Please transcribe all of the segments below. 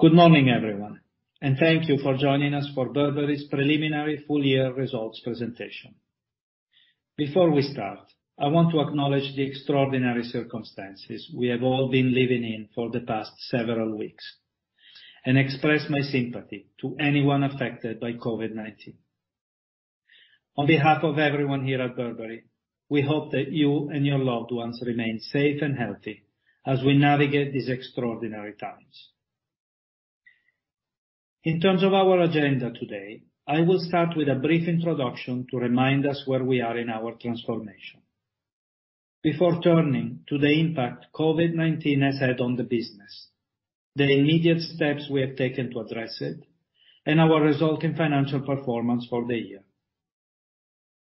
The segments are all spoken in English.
Good morning, everyone. Thank you for joining us for Burberry's preliminary full-year results presentation. Before we start, I want to acknowledge the extraordinary circumstances we have all been living in for the past several weeks, and express my sympathy to anyone affected by COVID-19. On behalf of everyone here at Burberry, we hope that you and your loved ones remain safe and healthy as we navigate these extraordinary times. In terms of our agenda today, I will start with a brief introduction to remind us where we are in our transformation, before turning to the impact COVID-19 has had on the business, the immediate steps we have taken to address it, and our resulting financial performance for the year.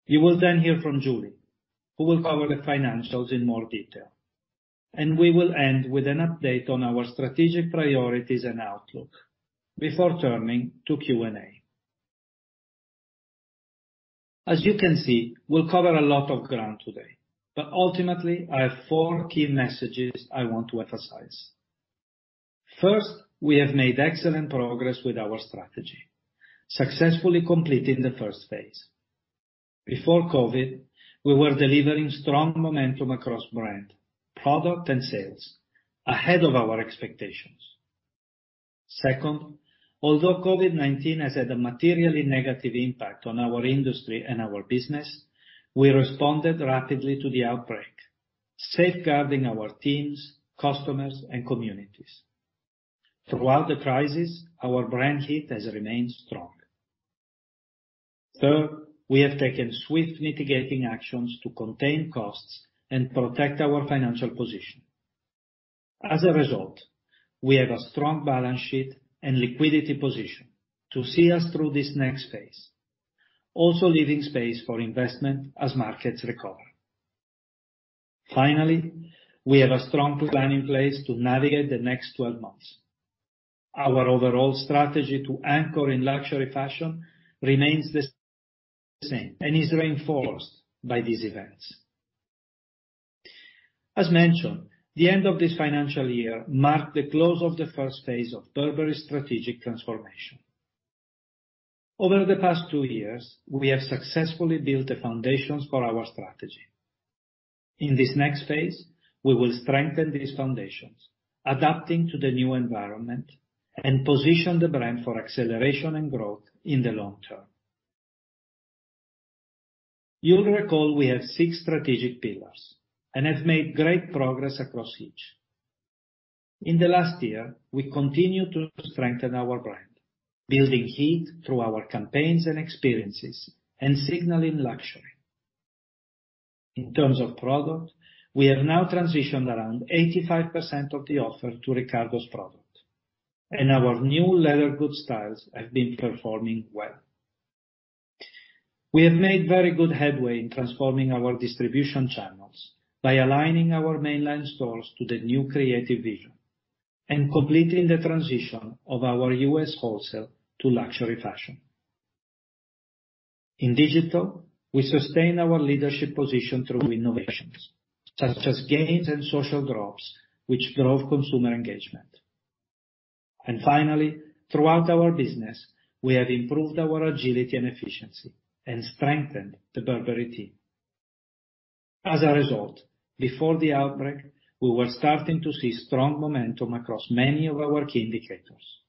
You will then hear from Julie, who will cover the financials in more detail, and we will end with an update on our strategic priorities and outlook before turning to Q&A. As you can see, we'll cover a lot of ground today, but ultimately, I have four key messages I want to emphasize. First, we have made excellent progress with our strategy, successfully completing the first phase. Before COVID, we were delivering strong momentum across brand, product, and sales ahead of our expectations. Second, although COVID-19 has had a materially negative impact on our industry and our business, we responded rapidly to the outbreak, safeguarding our teams, customers, and communities. Throughout the crisis, our brand heat has remained strong. Third, we have taken swift mitigating actions to contain costs and protect our financial position. As a result, we have a strong balance sheet and liquidity position to see us through this next phase, also leaving space for investment as markets recover. Finally, we have a strong plan in place to navigate the next 12 months. Our overall strategy to anchor in luxury fashion remains the same and is reinforced by these events. As mentioned, the end of this financial year marked the close of the first phase of Burberry's strategic transformation. Over the past two years, we have successfully built the foundations for our strategy. In this next phase, we will strengthen these foundations, adapting to the new environment, and position the brand for acceleration and growth in the long term. You'll recall we have six strategic pillars and have made great progress across each. In the last year, we continued to strengthen our brand, building heat through our campaigns and experiences, and signaling luxury. In terms of product, we have now transitioned around 85% of the offer to Riccardo's product, and our new leather goods styles have been performing well. We have made very good headway in transforming our distribution channels by aligning our mainline stores to the new creative vision and completing the transition of our U.S. wholesale to luxury fashion. In digital, we sustain our leadership position through innovations, such as games and social drops, which grow consumer engagement. Finally, throughout our business, we have improved our agility and efficiency and strengthened the Burberry team. As a result, before the outbreak, we were starting to see strong momentum across many of our key indicators.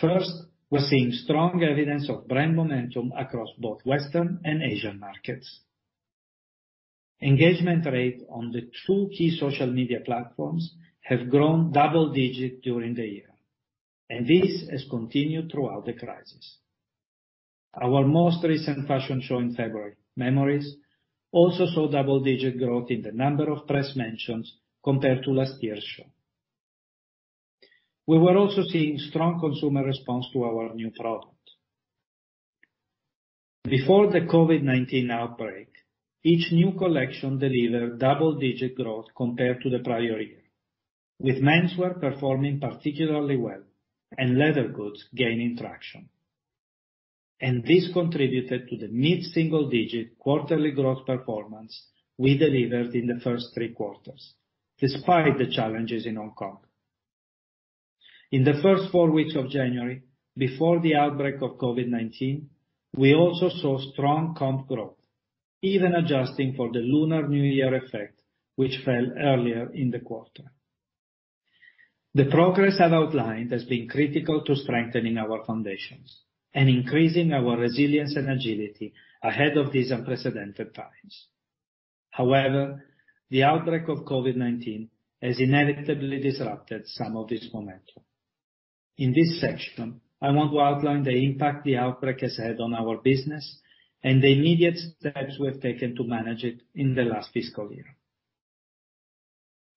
First, we're seeing strong evidence of brand momentum across both Western and Asian markets. Engagement rate on the two key social media platforms have grown double-digit during the year. This has continued throughout the crisis. Our most recent fashion show in February, Memories, also saw double-digit growth in the number of press mentions compared to last year's show. We were also seeing strong consumer response to our new product. Before the COVID-19 outbreak, each new collection delivered double-digit growth compared to the prior year, with menswear performing particularly well and leather goods gaining traction. This contributed to the mid-single-digit quarterly growth performance we delivered in the first three quarters, despite the challenges in Hong Kong. In the first four weeks of January, before the outbreak of COVID-19, we also saw strong comp growth, even adjusting for the Lunar New Year effect, which fell earlier in the quarter. The progress I've outlined has been critical to strengthening our foundations and increasing our resilience and agility ahead of these unprecedented times. However, the outbreak of COVID-19 has inevitably disrupted some of this momentum. In this section, I want to outline the impact the outbreak has had on our business and the immediate steps we have taken to manage it in the last fiscal year.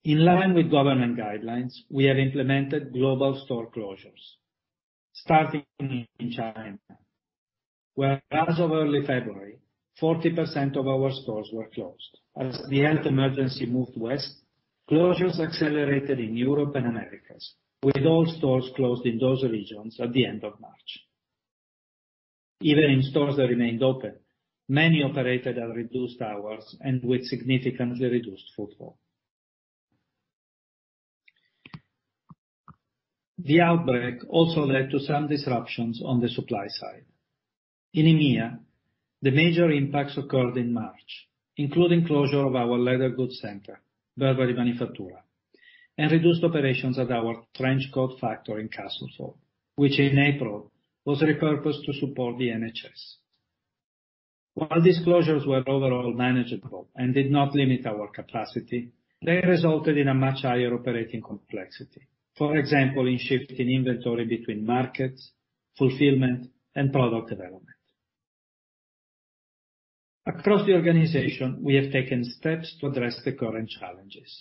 In line with government guidelines, we have implemented global store closures, starting in China, where as of early February, 40% of our stores were closed. As the health emergency moved west, closures accelerated in Europe and Americas, with all stores closed in those regions at the end of March. Even in stores that remained open, many operated at reduced hours and with significantly reduced footfall. The outbreak also led to some disruptions on the supply side. In EMEA, the major impacts occurred in March, including closure of our leather goods center, Burberry Manifattura, and reduced operations at our trench coat factory in Castleford, which in April was repurposed to support the NHS. While these closures were overall manageable and did not limit our capacity, they resulted in a much higher operating complexity, for example, in shifting inventory between markets, fulfillment, and product development. Across the organization, we have taken steps to address the current challenges.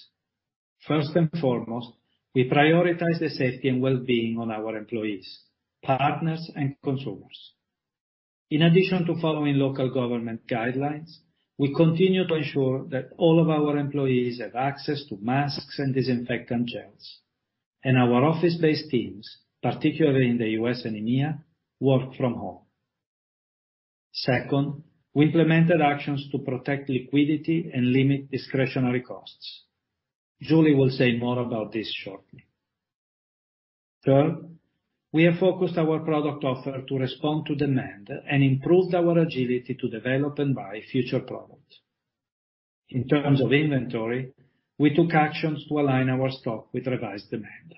First and foremost, we prioritize the safety and wellbeing of our employees, partners, and consumers. In addition to following local government guidelines, we continue to ensure that all of our employees have access to masks and disinfectant gels, and our office-based teams, particularly in the U.S. and EMEA, work from home. Second, we implemented actions to protect liquidity and limit discretionary costs. Julie will say more about this shortly. Third, we have focused our product offer to respond to demand and improved our agility to develop and buy future products. In terms of inventory, we took actions to align our stock with revised demand.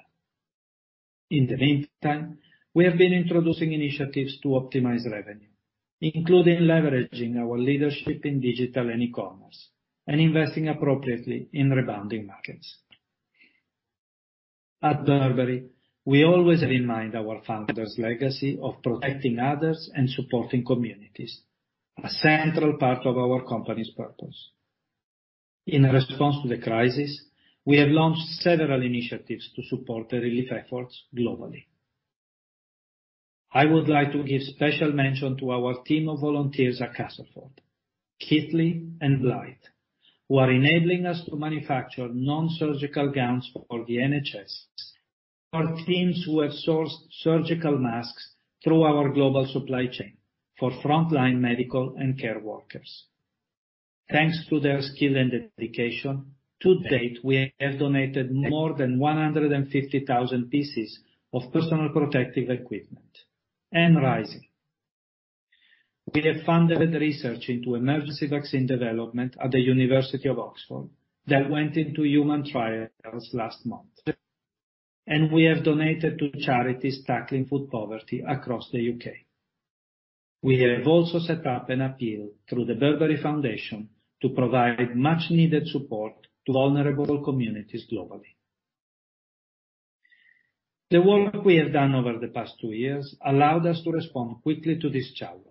In the meantime, we have been introducing initiatives to optimize revenue, including leveraging our leadership in digital and e-commerce, and investing appropriately in rebounding markets. At Burberry, we always have in mind our founder's legacy of protecting others and supporting communities, a central part of our company's purpose. In response to the crisis, we have launched several initiatives to support the relief efforts globally. I would like to give special mention to our team of volunteers at Castleford, Keighley, and Blyth, who are enabling us to manufacture non-surgical gowns for the NHS, our teams who have sourced surgical masks through our global supply chain for frontline medical and care workers. Thanks to their skill and dedication, to date, we have donated more than 150,000 pieces of personal protective equipment and rising. We have funded research into emergency vaccine development at the University of Oxford that went into human trials last month, and we have donated to charities tackling food poverty across the U.K. We have also set up an appeal through the Burberry Foundation to provide much needed support to vulnerable communities globally. The work we have done over the past two years allowed us to respond quickly to this challenge,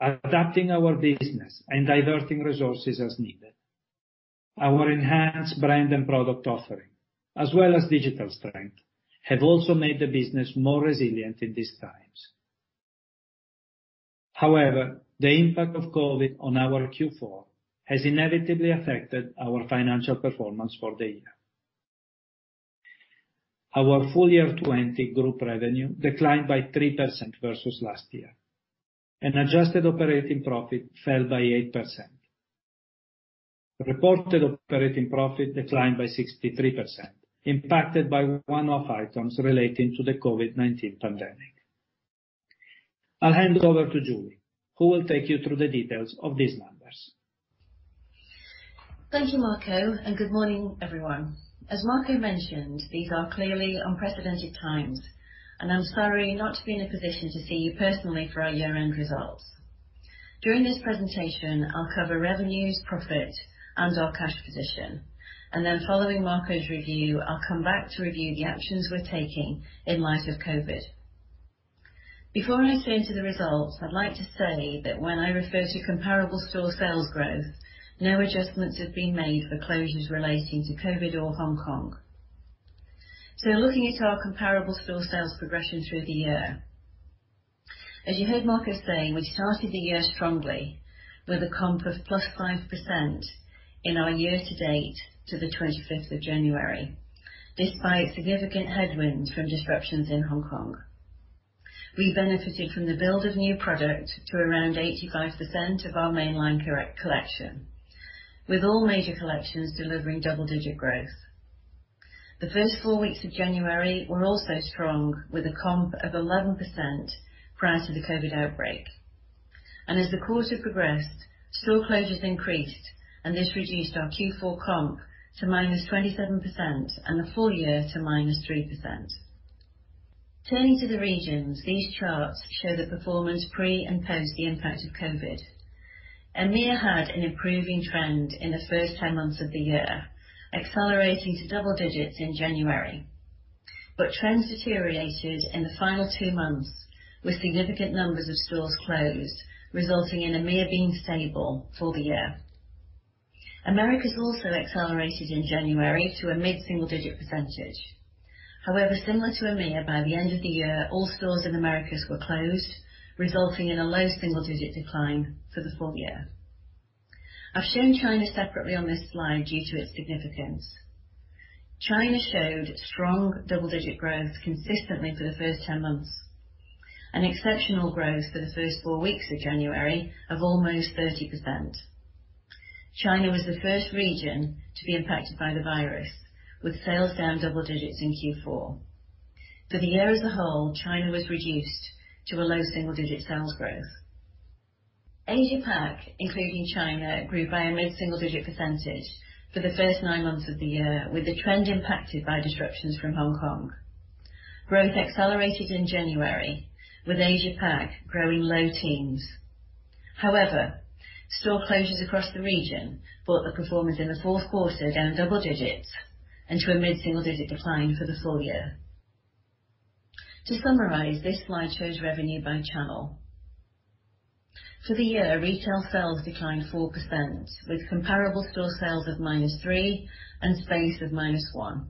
adapting our business and diverting resources as needed. Our enhanced brand and product offering, as well as digital strength, have also made the business more resilient in these times. However, the impact of COVID on our Q4 has inevitably affected our financial performance for the year. Our full year 2020 Group revenue declined by 3% versus last year, and adjusted operating profit fell by 8%. Reported operating profit declined by 63%, impacted by one-off items relating to the COVID-19 pandemic. I'll hand over to Julie, who will take you through the details of these numbers. Thank you, Marco. Good morning, everyone. As Marco mentioned, these are clearly unprecedented times, and I'm sorry not to be in a position to see you personally for our year-end results. During this presentation, I'll cover revenues, profit, and our cash position. Following Marco's review, I'll come back to review the actions we're taking in light of COVID. Before I turn to the results, I'd like to say that when I refer to comparable store sales growth, no adjustments have been made for closures relating to COVID or Hong Kong. Looking at our comparable store sales progression through the year. As you heard Marco saying, we started the year strongly with a comp of +5% in our year-to-date to the 25th of January, despite significant headwinds from disruptions in Hong Kong. We benefited from the build of new product to around 85% of our mainline collection, with all major collections delivering double-digit growth. The first four weeks of January were also strong, with a comp of 11% prior to the COVID outbreak. As the quarter progressed, store closures increased, and this reduced our Q4 comp to -27% and the full year to -3%. Turning to the regions, these charts show the performance pre and post the impact of COVID. EMEA had an improving trend in the first 10 months of the year, accelerating to double digits in January. Trends deteriorated in the final two months, with significant numbers of stores closed, resulting in EMEA being stable for the year. Americas also accelerated in January to a mid-single digit percentage. However, similar to EMEA, by the end of the year, all stores in Americas were closed, resulting in a low single-digit decline for the full year. I've shown China separately on this slide due to its significance. China showed strong double-digit growth consistently for the first 10 months, and exceptional growth for the first four weeks of January of almost 30%. China was the first region to be impacted by the virus, with sales down double digits in Q4. For the year as a whole, China was reduced to a low single-digit sales growth. Asia-Pac, including China, grew by a mid-single digit percentage for the first nine months of the year, with the trend impacted by disruptions from Hong Kong. Growth accelerated in January, with Asia-Pac growing low teens. However, store closures across the region brought the performance in the fourth quarter down double digits and to a mid-single digit decline for the full year. To summarize, this slide shows revenue by channel. For the year, retail sales declined 4%, with comparable store sales of -3% and space of -1%.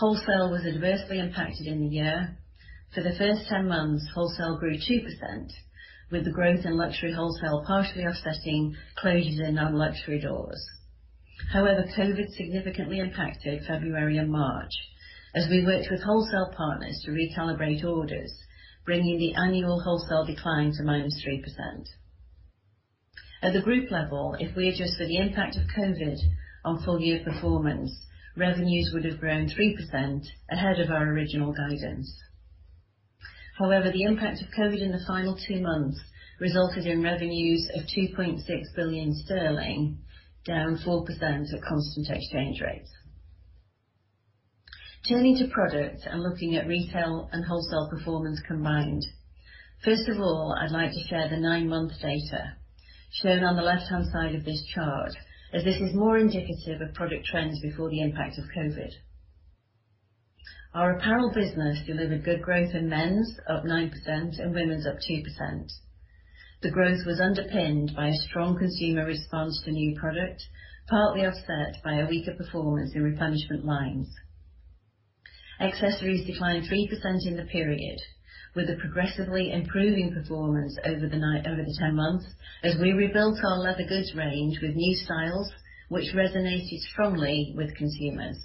Wholesale was adversely impacted in the year. For the first 10 months, wholesale grew 2%, with the growth in luxury wholesale partially offsetting closures in non-luxury doors. COVID significantly impacted February and March as we worked with wholesale partners to recalibrate orders, bringing the annual wholesale decline to -3%. At the group level, if we adjust for the impact of COVID on full-year performance, revenues would have grown 3% ahead of our original guidance. The impact of COVID in the final two months resulted in revenues of 2.6 billion sterling, down 4% at constant exchange rates. Turning to product and looking at retail and wholesale performance combined. First of all, I'd like to share the nine-month data shown on the left-hand side of this chart, as this is more indicative of product trends before the impact of COVID-19. Our apparel business delivered good growth in men's, up 9% and women's up 2%. The growth was underpinned by a strong consumer response to new product, partly offset by a weaker performance in replenishment lines. Accessories declined 3% in the period, with a progressively improving performance over the 10 months as we re-built our leather goods range with new styles, which resonated strongly with consumers.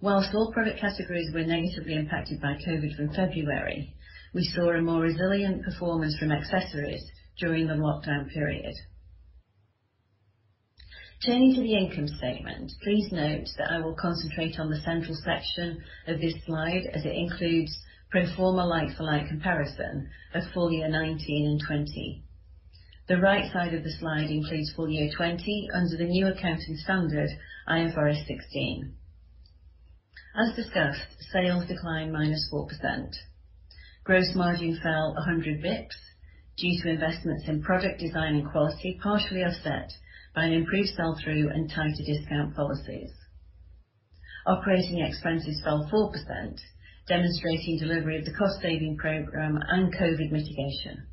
Whilst all product categories were negatively impacted by COVID-19 from February, we saw a more resilient performance from accessories during the lockdown period. Turning to the income statement, please note that I will concentrate on the central section of this slide as it includes pro forma like-for-like comparison of full year 2019 and 2020. The right side of the slide includes full year 2020 under the new accounting standard IFRS 16. As discussed, sales declined -4%. Gross margin fell 100 basis points due to investments in product design and quality, partially offset by an improved sell-through and tighter discount policies. Operating expenses fell 4%, demonstrating delivery of the cost-saving program and COVID mitigation.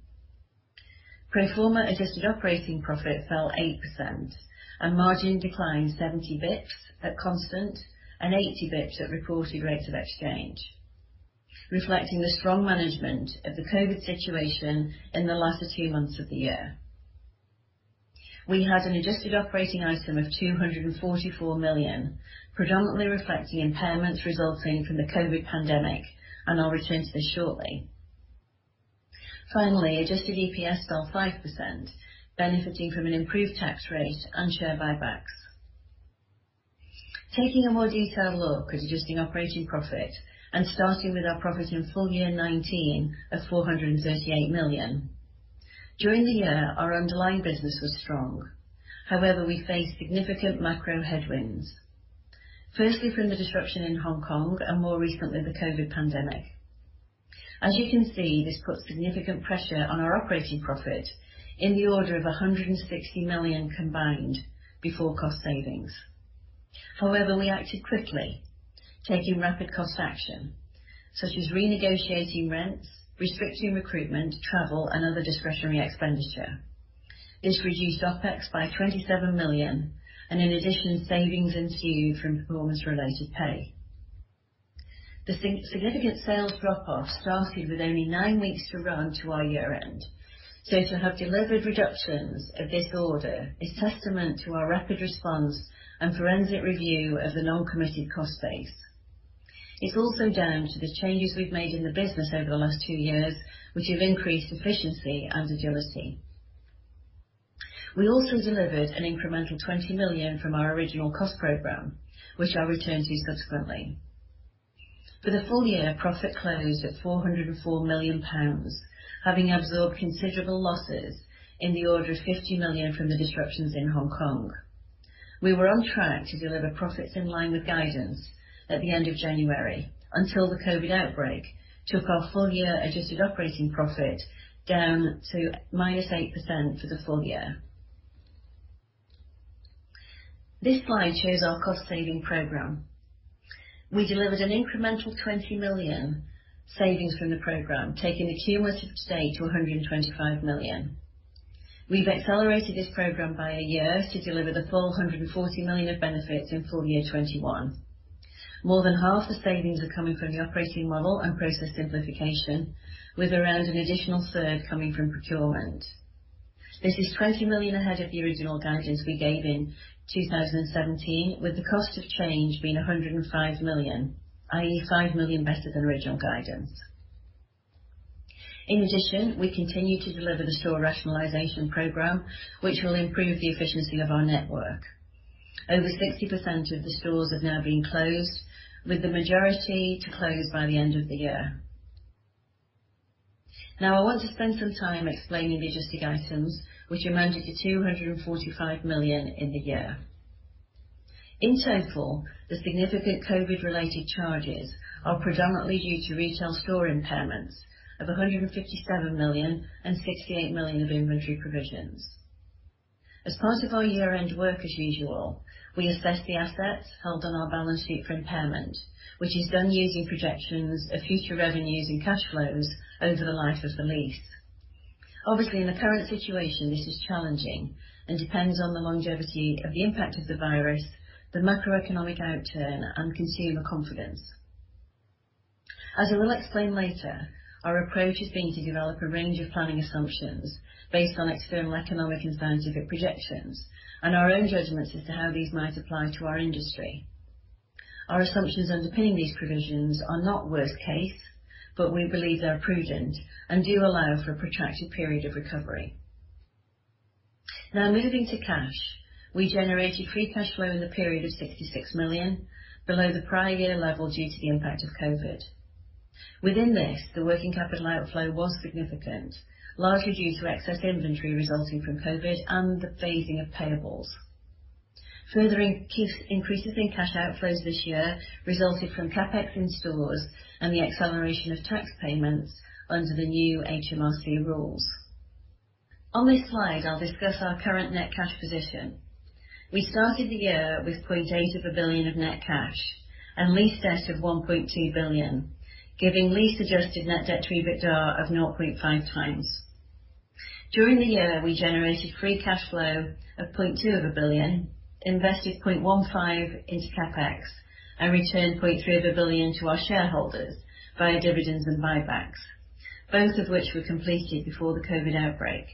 Pro forma adjusted operating profit fell 8% and margin declined 70 basis points at constant and 80 basis points at reported rates of exchange, reflecting the strong management of the COVID situation in the latter two months of the year. We had an adjusted operating item of 244 million, predominantly reflecting impairments resulting from the COVID pandemic. I'll return to this shortly. Finally, adjusted EPS fell 5%, benefiting from an improved tax rate and share buybacks. Taking a more detailed look at adjusting operating profit and starting with our profit in full year 2019 of 438 million. During the year, our underlying business was strong. However, we faced significant macro headwinds, firstly from the disruption in Hong Kong and more recently the COVID-19 pandemic. As you can see, this put significant pressure on our operating profit in the order of 160 million combined before cost savings. However, we acted quickly, taking rapid cost action such as renegotiating rents, restricting recruitment, travel, and other discretionary expenditure. This reduced OpEx by 27 million and in addition, savings ensued from performance-related pay. The significant sales drop-off started with only nine weeks to run to our year-end. To have delivered reductions of this order is testament to our rapid response and forensic review of the non-committed cost base. It's also down to the changes we've made in the business over the last two years, which have increased efficiency and agility. We also delivered an incremental 20 million from our original cost program, which I'll return to subsequently. For the full year, profit closed at 404 million pounds, having absorbed considerable losses in the order of 50 million from the disruptions in Hong Kong. We were on track to deliver profits in line with guidance at the end of January until the COVID outbreak took our full-year adjusted operating profit down to -8% for the full year. This slide shows our cost-saving program. We delivered an incremental 20 million savings from the program, taking the cumulative save to 125 million. We've accelerated this program by a year to deliver the full 140 million of benefits in full year 2021. More than half the savings are coming from the operating model and process simplification, with around an additional third coming from procurement. This is 20 million ahead of the original guidance we gave in 2017, with the cost of change being 105 million, i.e., 5 million better than original guidance. In addition, we continue to deliver the store rationalization program, which will improve the efficiency of our network. Over 60% of the stores have now been closed, with the majority to close by the end of the year. I want to spend some time explaining the adjusted items which amounted to 245 million in the year. In total, the significant COVID-19 related charges are predominantly due to retail store impairments of 157 million and 68 million of inventory provisions. As part of our year-end work as usual, we assess the assets held on our balance sheet for impairment, which is done using projections of future revenues and cash flows over the life of the lease. Obviously, in the current situation, this is challenging and depends on the longevity of the impact of the virus, the macroeconomic outturn, and consumer confidence. As I will explain later, our approach has been to develop a range of planning assumptions based on external economic and scientific projections and our own judgments as to how these might apply to our industry. Our assumptions underpinning these provisions are not worst case, but we believe they are prudent and do allow for a protracted period of recovery. Now moving to cash, we generated free cash flow in the period of 66 million, below the prior year level due to the impact of COVID. Within this, the working capital outflow was significant, largely due to excess inventory resulting from COVID and the phasing of payables. Further increases in cash outflows this year resulted from CapEx in stores and the acceleration of tax payments under the new HMRC rules. On this slide, I'll discuss our current net cash position. We started the year with 800 million of net cash and lease debt of 1.2 billion, giving lease-adjusted net debt to EBITDA of 0.5x. During the year, we generated free cash flow of 200 million, invested 0.15x into CapEx, and returned 300 million to our shareholders via dividends and buybacks, both of which were completed before the COVID outbreak.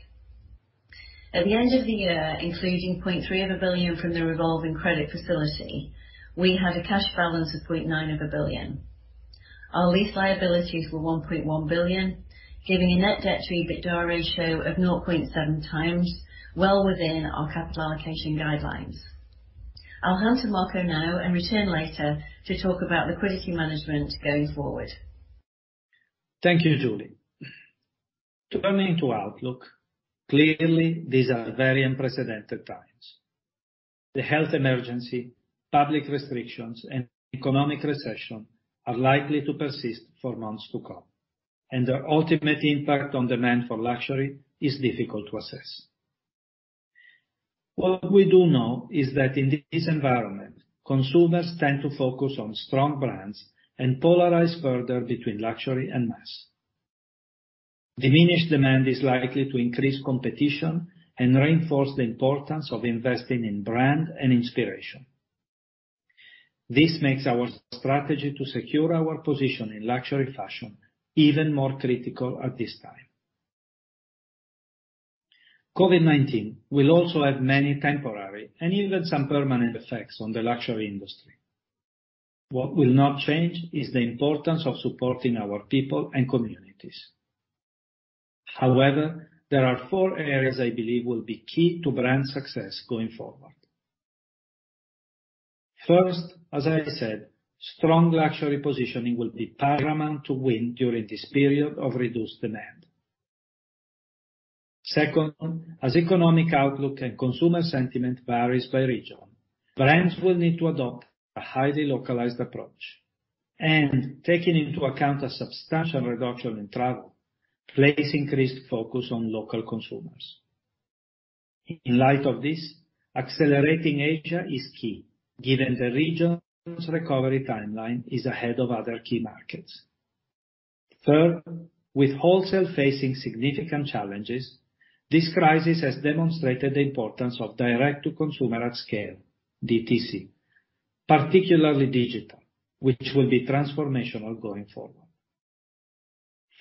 At the end of the year, including 300 million from the revolving credit facility, we had a cash balance of 900 million. Our lease liabilities were 1.1 billion, giving a net debt to EBITDA ratio of 0.7x, well within our capital allocation guidelines. I'll hand to Marco now and return later to talk about liquidity management going forward. Thank you, Julie. Turning to outlook, these are very unprecedented times. The health emergency, public restrictions, and economic recession are likely to persist for months to come, their ultimate impact on demand for luxury is difficult to assess. What we do know is that in this environment, consumers tend to focus on strong brands and polarize further between luxury and mass. Diminished demand is likely to increase competition and reinforce the importance of investing in brand and inspiration. This makes our strategy to secure our position in luxury fashion even more critical at this time. COVID-19 will also have many temporary and even some permanent effects on the luxury industry. What will not change is the importance of supporting our people and communities. However, there are four areas I believe will be key to brand success going forward. First, as I said, strong luxury positioning will be paramount to win during this period of reduced demand. Second, as economic outlook and consumer sentiment varies by region, brands will need to adopt a highly localized approach, and taking into account a substantial reduction in travel, place increased focus on local consumers. In light of this, accelerating Asia is key, given the region's recovery timeline is ahead of other key markets. Third, with wholesale facing significant challenges, this crisis has demonstrated the importance of direct-to-consumer at scale, DTC, particularly digital, which will be transformational going forward.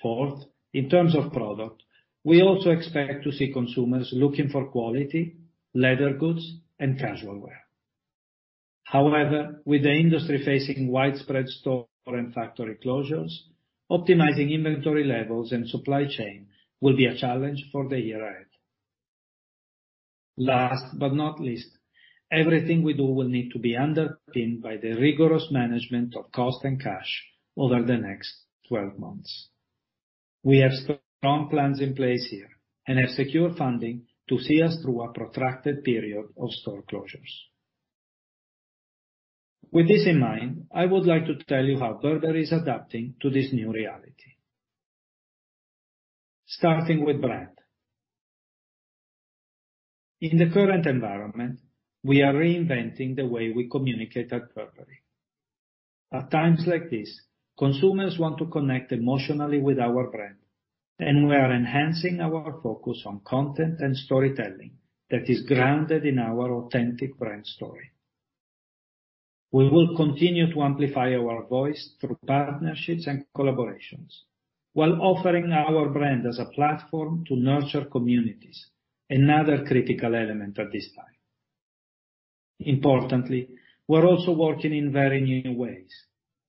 Fourth, in terms of product, we also expect to see consumers looking for quality, leather goods, and casual wear. However, with the industry facing widespread store and factory closures, optimizing inventory levels and supply chain will be a challenge for the year ahead. Last but not least, everything we do will need to be underpinned by the rigorous management of cost and cash over the next 12 months. We have strong plans in place here and have secure funding to see us through a protracted period of store closures. With this in mind, I would like to tell you how Burberry is adapting to this new reality. Starting with brand. In the current environment, we are reinventing the way we communicate at Burberry. At times like this, consumers want to connect emotionally with our brand. We are enhancing our focus on content and storytelling that is grounded in its authentic brand story. We will continue to amplify our voice through partnerships and collaborations while offering our brand as a platform to nurture communities, another critical element at this time. Importantly, we're also working in very new ways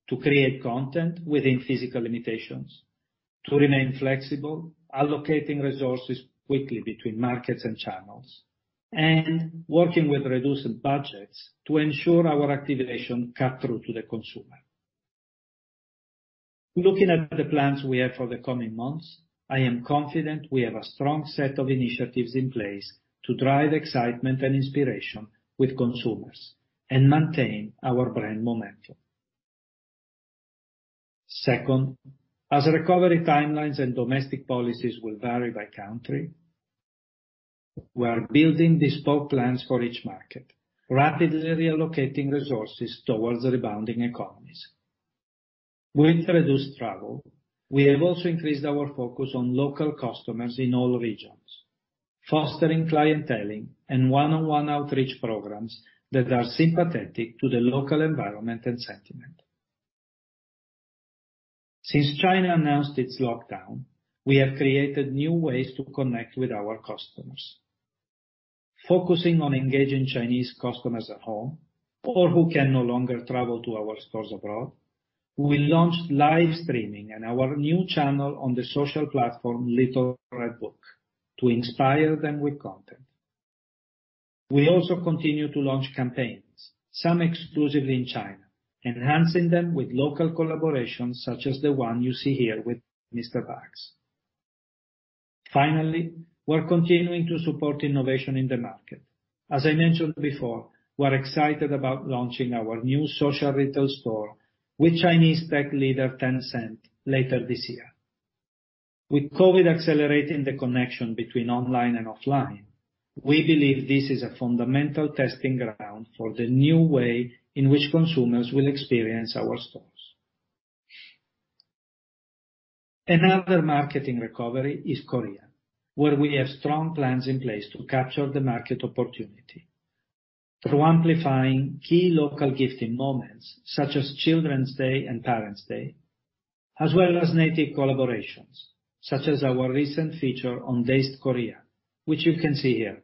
to create content within physical limitations, to remain flexible, allocating resources quickly between markets and channels, and working with reduced budgets to ensure our activation cut through to the consumer. Looking at the plans we have for the coming months, I am confident we have a strong set of initiatives in place to drive excitement and inspiration with consumers and maintain our brand momentum. Second, as recovery timelines and domestic policies will vary by country, we are building bespoke plans for each market, rapidly reallocating resources towards rebounding economies. With reduced travel, we have also increased our focus on local customers in all regions, fostering clienteling and one-on-one outreach programs that are sympathetic to the local environment and sentiment. Since China announced its lockdown, we have created new ways to connect with our customers. Focusing on engaging Chinese customers at home or who can no longer travel to our stores abroad, we launched live streaming and our new channel on the social platform, Little Red Book, to inspire them with content. We also continue to launch campaigns, some exclusively in China, enhancing them with local collaborations such as the one you see here with Mr. Bags. Finally, we're continuing to support innovation in the market. As I mentioned before, we're excited about launching our new social retail store with Chinese tech leader Tencent later this year. With COVID accelerating the connection between online and offline, we believe this is a fundamental testing ground for the new way in which consumers will experience our stores. Another market in recovery is Korea, where we have strong plans in place to capture the market opportunity through amplifying key local gifting moments, such as Children's Day and Parents Day, as well as native collaborations, such as our recent feature on DAZED Korea, which you can see here.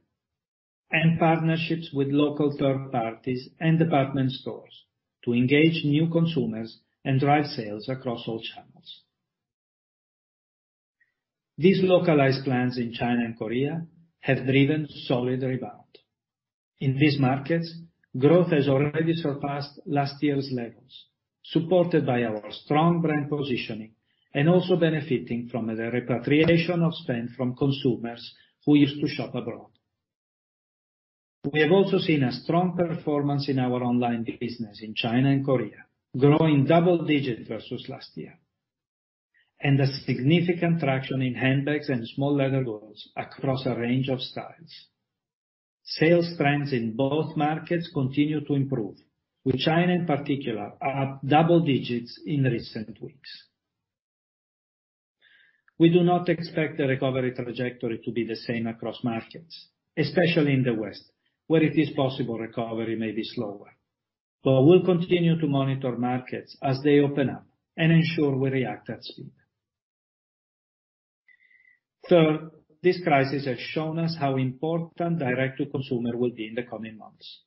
Partnerships with local third parties and department stores to engage new consumers and drive sales across all channels. These localized plans in China and Korea have driven solid rebound. In these markets, growth has already surpassed last year's levels, supported by our strong brand positioning and also benefiting from the repatriation of spend from consumers who used to shop abroad. We have also seen a strong performance in our online business in China and Korea, growing double digits versus last year, and a significant traction in handbags and small leather goods across a range of styles. Sales trends in both markets continue to improve, with China, in particular, up double digits in recent weeks. We do not expect the recovery trajectory to be the same across markets, especially in the west, where it is possible recovery may be slower. We'll continue to monitor markets as they open up and ensure we react at speed. Third, this crisis has shown us how important direct-to-consumer will be in the coming months.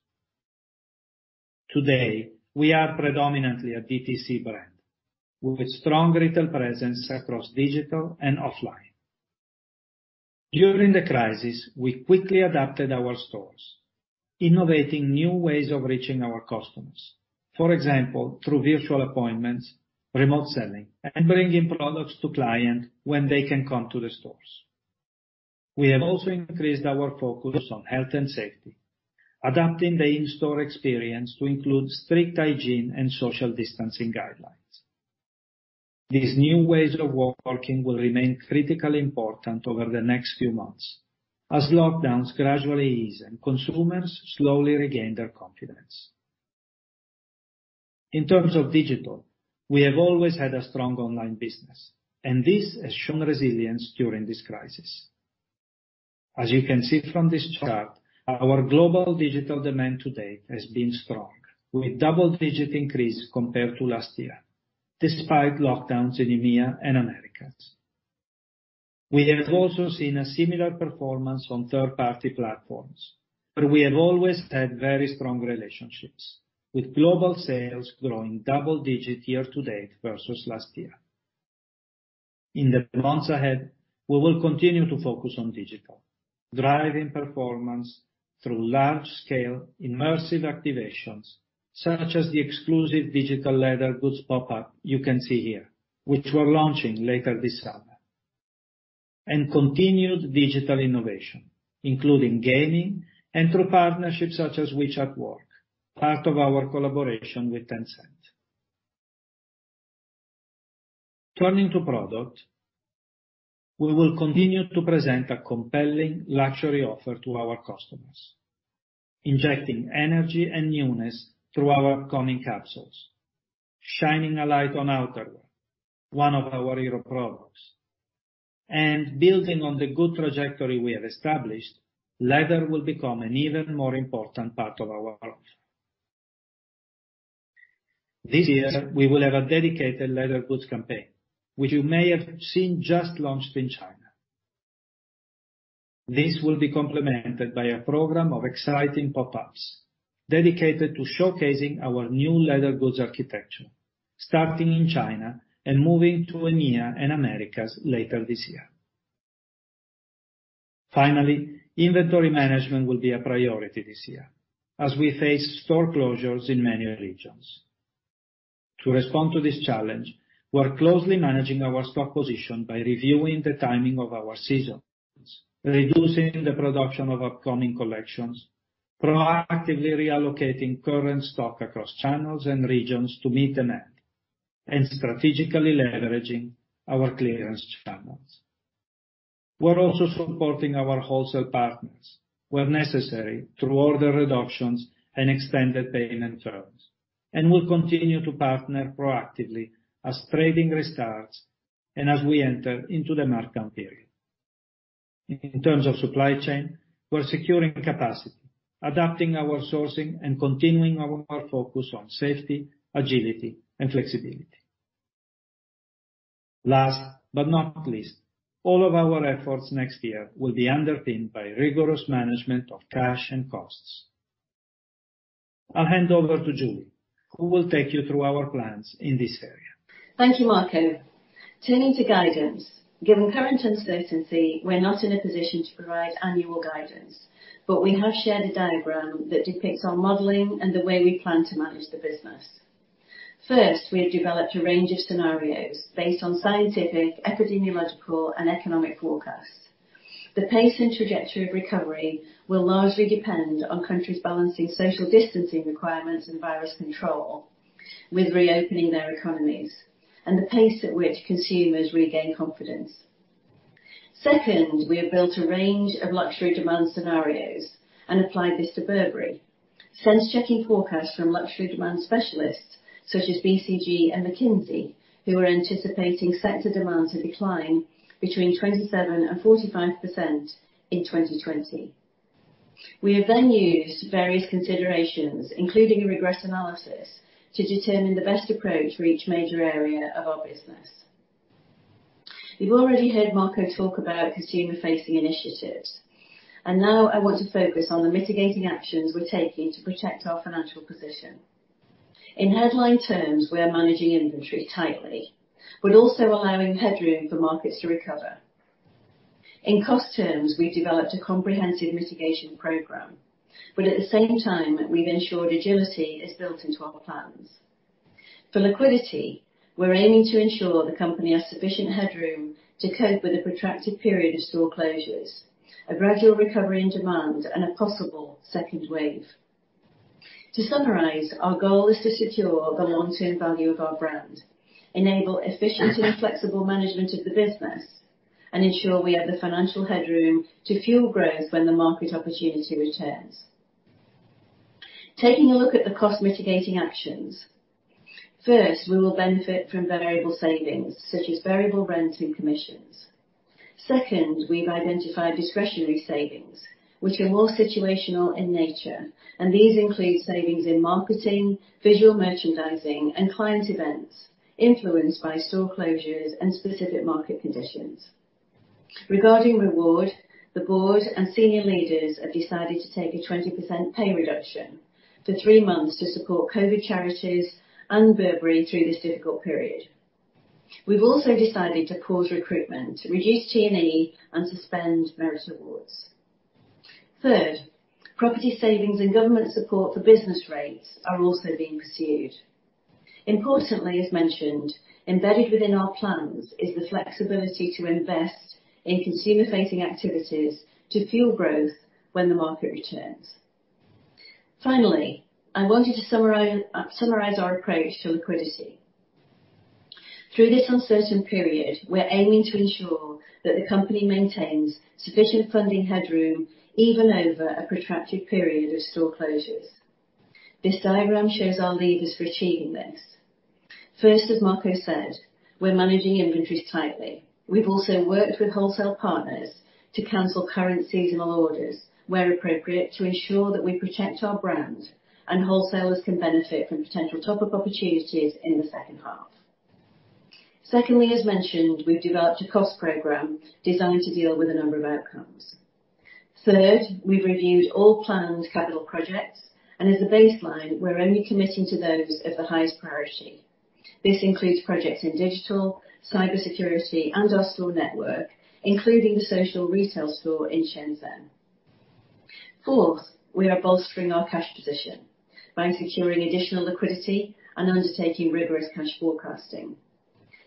Today, we are predominantly a DTC brand with strong retail presence across digital and offline. During the crisis, we quickly adapted our stores, innovating new ways of reaching our customers, for example, through virtual appointments, remote selling, and bringing products to client when they can't come to the stores. We have also increased our focus on health and safety, adapting the in-store experience to include strict hygiene and social distancing guidelines. These new ways of working will remain critically important over the next few months as lockdowns gradually ease and consumers slowly regain their confidence. In terms of digital, we have always had a strong online business, and this has shown resilience during this crisis. As you can see from this chart, our global digital demand to date has been strong, with double-digit increase compared to last year, despite lockdowns in EMEA and Americas. We have also seen a similar performance on third-party platforms, where we have always had very strong relationships, with global sales growing double-digit year-to-date versus last year. In the months ahead, we will continue to focus on digital, driving performance through large-scale immersive activations, such as the exclusive digital leather goods pop-up you can see here, which we're launching later this summer, and continued digital innovation, including gaming and through partnerships such as WeChat Work, part of our collaboration with Tencent. Turning to product, we will continue to present a compelling luxury offer to our customers. Injecting energy and newness through our upcoming capsules, shining a light on Outerwear, one of our hero products, and building on the good trajectory we have established, leather will become an even more important part of our offer. This year, we will have a dedicated leather goods campaign, which you may have seen just launched in China. This will be complemented by a program of exciting pop-ups dedicated to showcasing our new leather goods architecture, starting in China and moving to EMEA and Americas later this year. Finally, inventory management will be a priority this year as we face store closures in many regions. To respond to this challenge, we're closely managing our stock position by reviewing the timing of our seasons, reducing the production of upcoming collections, proactively reallocating current stock across channels and regions to meet demand, and strategically leveraging our clearance channels. We're also supporting our wholesale partners, where necessary, through order reductions and extended payment terms, and we'll continue to partner proactively as trading restarts and as we enter into the mark-down period. In terms of supply chain, we're securing capacity, adapting our sourcing, and continuing our focus on safety, agility, and flexibility. Last but not least, all of our efforts next year will be underpinned by rigorous management of cash and costs. I'll hand over to Julie, who will take you through our plans in this area. Thank you, Marco. Turning to guidance. Given current uncertainty, we're not in a position to provide annual guidance, but we have shared a diagram that depicts our modeling and the way we plan to manage the business. First, we have developed a range of scenarios based on scientific, epidemiological, and economic forecasts. The pace and trajectory of recovery will largely depend on countries balancing social distancing requirements and virus control with reopening their economies and the pace at which consumers regain confidence. Second, we have built a range of luxury demand scenarios and applied this to Burberry, sense-checking forecasts from luxury demand specialists such as BCG and McKinsey, who are anticipating sector demands to decline between 27% and 45% in 2020. We have then used various considerations, including a regress analysis, to determine the best approach for each major area of our business. You've already heard Marco talk about consumer-facing initiatives. Now I want to focus on the mitigating actions we're taking to protect our financial position. In headline terms, we are managing inventory tightly, but also allowing headroom for markets to recover. In cost terms, we've developed a comprehensive mitigation program. At the same time, we've ensured agility is built into our plans. For liquidity, we're aiming to ensure the company has sufficient headroom to cope with a protracted period of store closures, a gradual recovery in demand, and a possible second wave. To summarize, our goal is to secure the long-term value of our brand, enable efficient and flexible management of the business, and ensure we have the financial headroom to fuel growth when the market opportunity returns. Taking a look at the cost-mitigating actions. First, we will benefit from variable savings such as variable rents and commissions. Second, we've identified discretionary savings, which are more situational in nature, and these include savings in marketing, visual merchandising, and client events influenced by store closures and specific market conditions. Regarding reward, the board and senior leaders have decided to take a 20% pay reduction for three months to support COVID-19 charities and Burberry through this difficult period. We've also decided to pause recruitment, reduce T&E, and suspend merit awards. Third, property savings and government support for business rates are also being pursued. Importantly, as mentioned, embedded within our plans is the flexibility to invest in consumer-facing activities to fuel growth when the market returns. Finally, I wanted to summarize our approach to liquidity. Through this uncertain period, we're aiming to ensure that the company maintains sufficient funding headroom even over a protracted period of store closures. This diagram shows our levers for achieving this. First, as Marco said, we're managing inventories tightly. We've also worked with wholesale partners to cancel current seasonal orders where appropriate to ensure that we protect our brand, and wholesalers can benefit from potential top-up opportunities in the second half. Secondly, as mentioned, we've developed a cost program designed to deal with a number of outcomes. Third, we've reviewed all planned capital projects, and as a baseline, we're only committing to those of the highest priority. This includes projects in digital, cybersecurity, and our store network, including the social retail store in Shenzhen. Fourth, we are bolstering our cash position by securing additional liquidity and undertaking rigorous cash forecasting.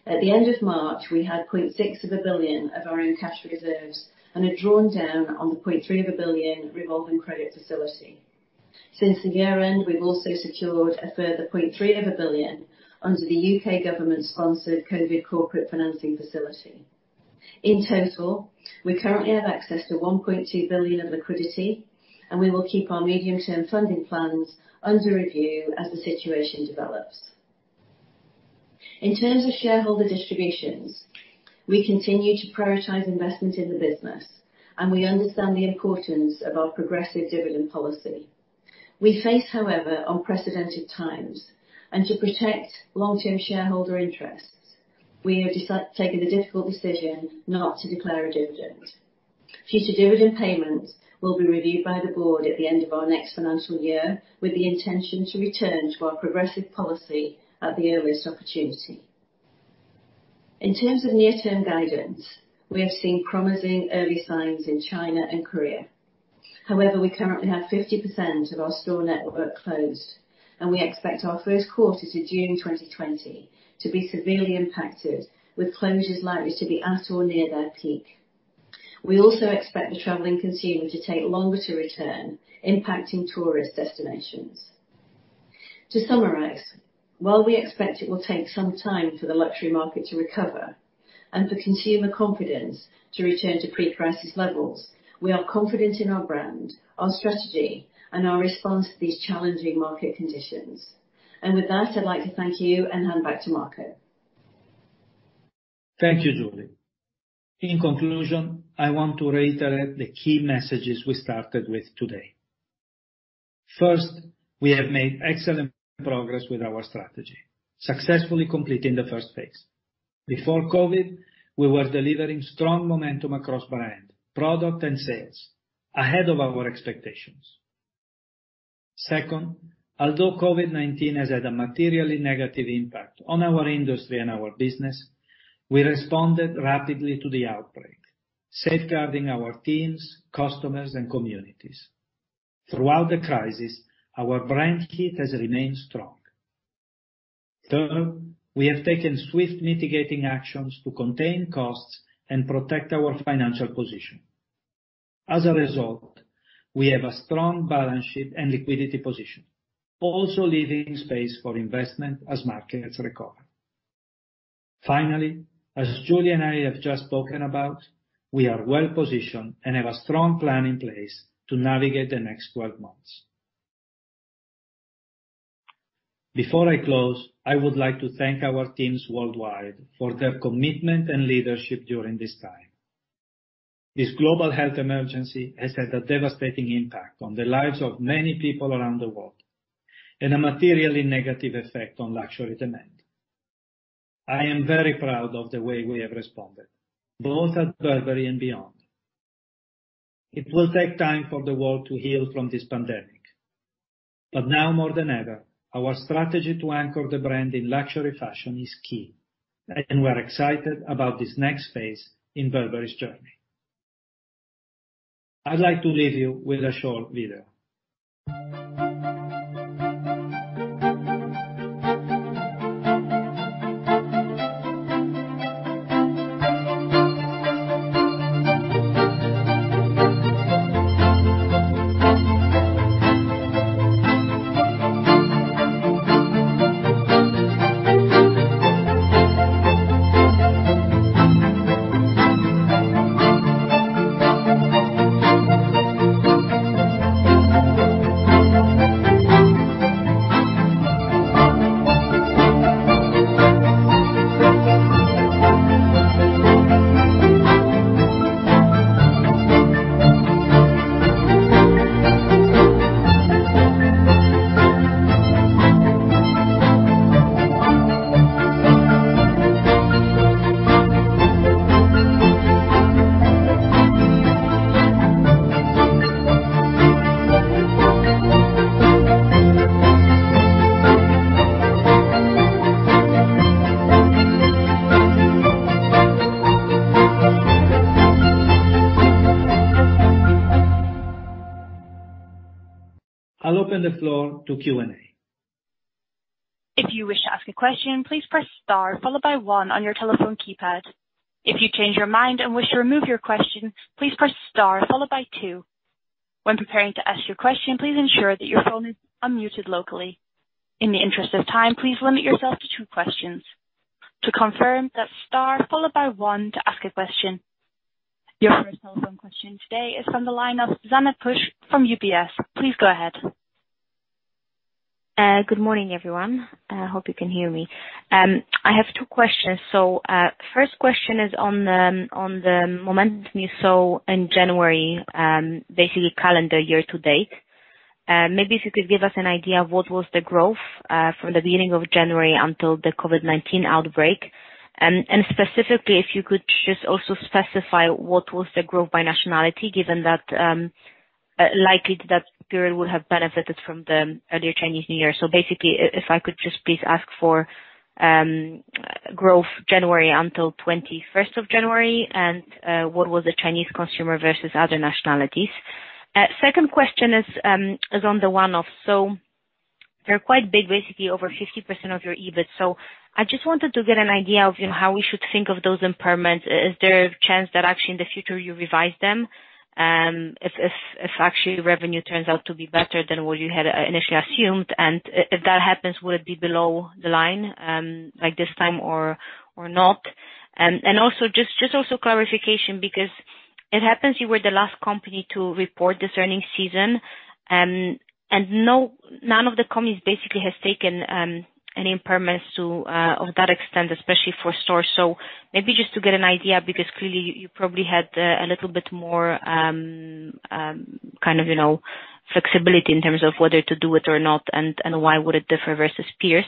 At the end of March, we had 600 million of our own cash reserves and had drawn down on the 300 million revolving credit facility. Since the year-end, we've also secured a further 300 million under the U.K. government-sponsored Covid Corporate Financing Facility. In total, we currently have access to 1.2 billion of liquidity, and we will keep our medium-term funding plans under review as the situation develops. In terms of shareholder distributions, we continue to prioritize investment in the business, and we understand the importance of our progressive dividend policy. We face, however, unprecedented times, and to protect long-term shareholder interests, we have taken the difficult decision not to declare a dividend. Future dividend payments will be reviewed by the board at the end of our next financial year, with the intention to return to our progressive policy at the earliest opportunity. In terms of near-term guidance, we have seen promising early signs in China and Korea. However, we currently have 50% of our store network closed, and we expect our first quarter to June 2020 to be severely impacted, with closures likely to be at or near their peak. We also expect the traveling consumer to take longer to return, impacting tourist destinations. To summarize, while we expect it will take some time for the luxury market to recover and for consumer confidence to return to pre-crisis levels, we are confident in our brand, our strategy, and our response to these challenging market conditions. With that, I'd like to thank you and hand back to Marco. Thank you, Julie. In conclusion, I want to reiterate the key messages we started with today. First, we have made excellent progress with our strategy, successfully completing the first phase. Before COVID, we were delivering strong momentum across brand, product, and sales ahead of our expectations. Second, although COVID-19 has had a materially negative impact on our industry and our business, we responded rapidly to the outbreak, safeguarding our teams, customers, and communities. Throughout the crisis, our brand heat has remained strong. Third, we have taken swift mitigating actions to contain costs and protect our financial position. As a result, we have a strong balance sheet and liquidity position, also leaving space for investment as markets recover. Finally, as Julie and I have just spoken about, we are well-positioned and have a strong plan in place to navigate the next 12 months. Before I close, I would like to thank our teams worldwide for their commitment and leadership during this time. This global health emergency has had a devastating impact on the lives of many people around the world and a materially negative effect on luxury demand. I am very proud of the way we have responded, both at Burberry and beyond. It will take time for the world to heal from this pandemic, but now more than ever, our strategy to anchor the brand in luxury fashion is key, and we're excited about this next phase in Burberry's journey. I'd like to leave you with a short video. I'll open the floor to Q&A. If you wish to ask a question, please press star followed by one on your telephone keypad. If you change your mind and wish to remove your question, please press star followed by two. When preparing to ask your question, please ensure that your phone is unmuted locally. In the interest of time, please limit yourself to two questions. To confirm, that's star followed by one to ask a question. Your first telephone question today is from the line of Zuzanna Pusz from UBS. Please go ahead. Good morning, everyone. I hope you can hear me. I have two questions. First question is on the momentum you saw in January, basically calendar year-to-date. Maybe if you could give us an idea of what was the growth, from the beginning of January until the COVID-19 outbreak. Specifically, if you could just also specify what was the growth by nationality, given that likely that period will have benefited from the earlier Chinese New Year. If I could just please ask for growth January until 21st of January, what was the Chinese consumer versus other nationalities. Second question is on the one-off. They're quite big, basically over 50% of your EBIT. I just wanted to get an idea of how we should think of those impairments. Is there a chance that actually in the future you revise them if actually revenue turns out to be better than what you had initially assumed? If that happens, will it be below the line this time or not? Also just clarification because it happens you were the last company to report this earnings season, and none of the companies basically has taken any impairments of that extent, especially for stores. Maybe just to get an idea, because clearly you probably had a little bit more kind of flexibility in terms of whether to do it or not and why would it differ versus peers.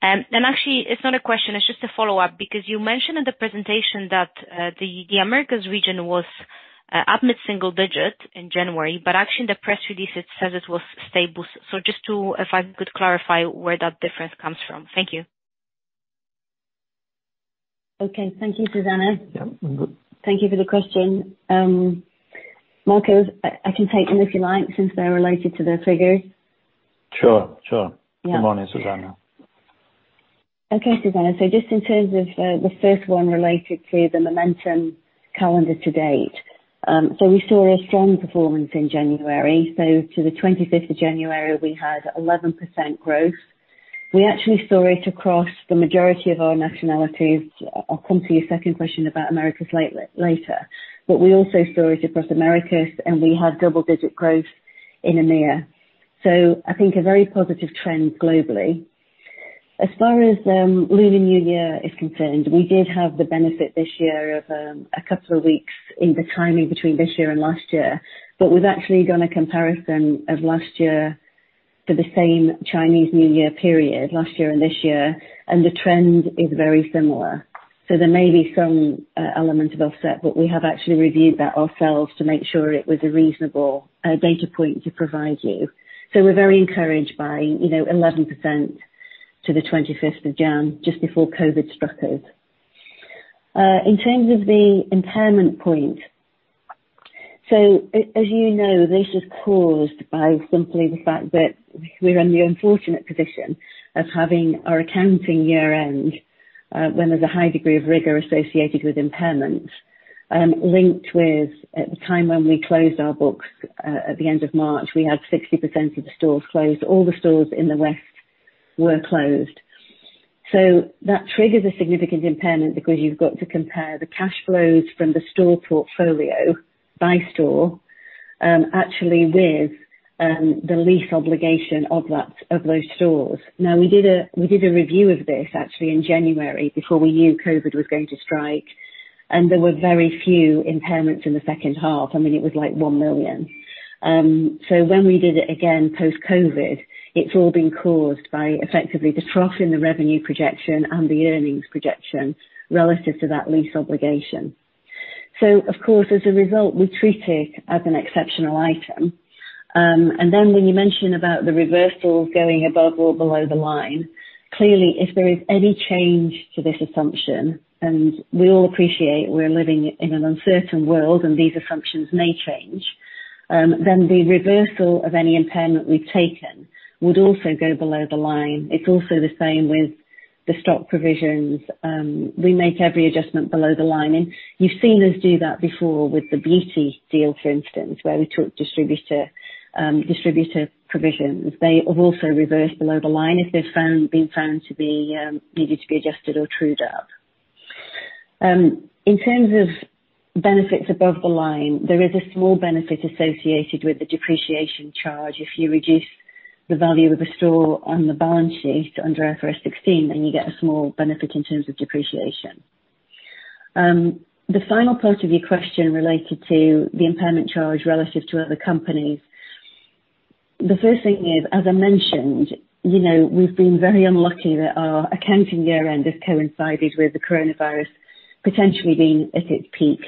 Actually, it's not a question, it's just a follow-up because you mentioned in the presentation that the Americas region was up mid-single digit in January, but actually in the press release it says it was stable. If I could clarify where that difference comes from. Thank you. Okay. Thank you, Zuzanna. Yeah, no. Thank you for the question. Marco, I can take them if you like, since they're related to the figures. Sure. Good morning, Zuzanna. Okay, Zuzanna. Just in terms of the first one related to the momentum calendar-to-date. We saw a strong performance in January. To the 25th of January, we had 11% growth. We actually saw it across the majority of our nationalities. I'll come to your second question about Americas later. We also saw it across Americas, and we had double-digit growth in EMEA. I think a very positive trend globally. As far as Lunar New Year is concerned, we did have the benefit this year of two weeks in the timing between this year and last year. We've actually done a comparison of last year to the same Chinese New Year period last year and this year, and the trend is very similar. There may be some element of offset, but we have actually reviewed that ourselves to make sure it was a reasonable data point to provide you. We're very encouraged by 11% to the 25th of January, just before COVID-19 struck us. In terms of the impairment point. As you know, this is caused by simply the fact that we're in the unfortunate position of having our accounting year-end, when there's a high degree of rigor associated with impairment, linked with at the time when we closed our books at the end of March, we had 60% of the stores closed. All the stores in the West were closed. That triggers a significant impairment because you've got to compare the cash flows from the store portfolio by store, actually with the lease obligation of those stores. We did a review of this actually in January before we knew COVID was going to strike, and there were very few impairments in the second half. I mean, it was like 1 million. When we did it again post-COVID, it is all been caused by effectively the trough in the revenue projection and the earnings projection relative to that lease obligation. Of course, as a result, we treat it as an exceptional item. When you mention about the reversal going above or below the line, clearly, if there is any change to this assumption, and we all appreciate we are living in an uncertain world and these assumptions may change, then the reversal of any impairment we have taken would also go below the line. It is also the same with the stock provisions. We make every adjustment below the line. You've seen us do that before with the beauty deal, for instance, where we took distributor provisions. They have also reversed below the line if they've been found to be needed to be adjusted or trued up. In terms of benefits above the line, there is a small benefit associated with the depreciation charge. If you reduce the value of a store on the balance sheet under IFRS 16, then you get a small benefit in terms of depreciation. The final part of your question related to the impairment charge relative to other companies. The first thing is, as I mentioned, we've been very unlucky that our accounting year-end has coincided with the coronavirus potentially being at its peak.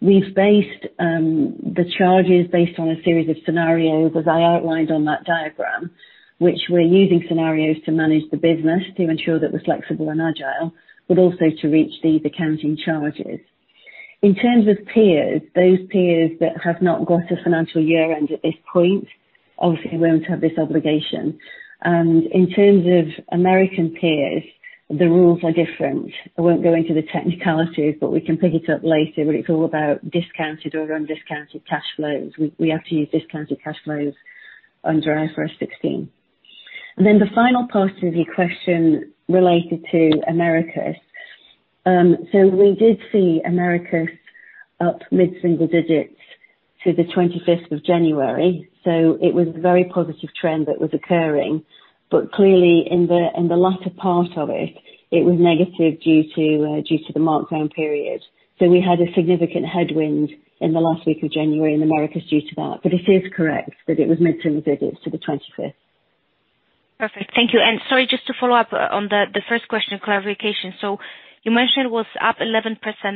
We've based the charges based on a series of scenarios as I outlined on that diagram, which we're using scenarios to manage the business to ensure that we're flexible and agile, but also to reach these accounting charges. In terms of peers, those peers that have not got a financial year end at this point obviously won't have this obligation. In terms of American peers, the rules are different. I won't go into the technicalities, but we can pick it up later, but it's all about discounted or discounted cash flows. We have to use discounted cash flows under IFRS 16. Then the final part of your question related to Americas. We did see Americas up mid-single digits to the 25th of January. It was a very positive trend that was occurring. Clearly in the latter part of it, it was negative due to the mark down period. We had a significant headwind in the last week of January in Americas due to that. It is correct that it was mid-single digits to the 25th. Perfect. Thank you. Sorry, just to follow up on the first question, clarification. You mentioned it was up 11%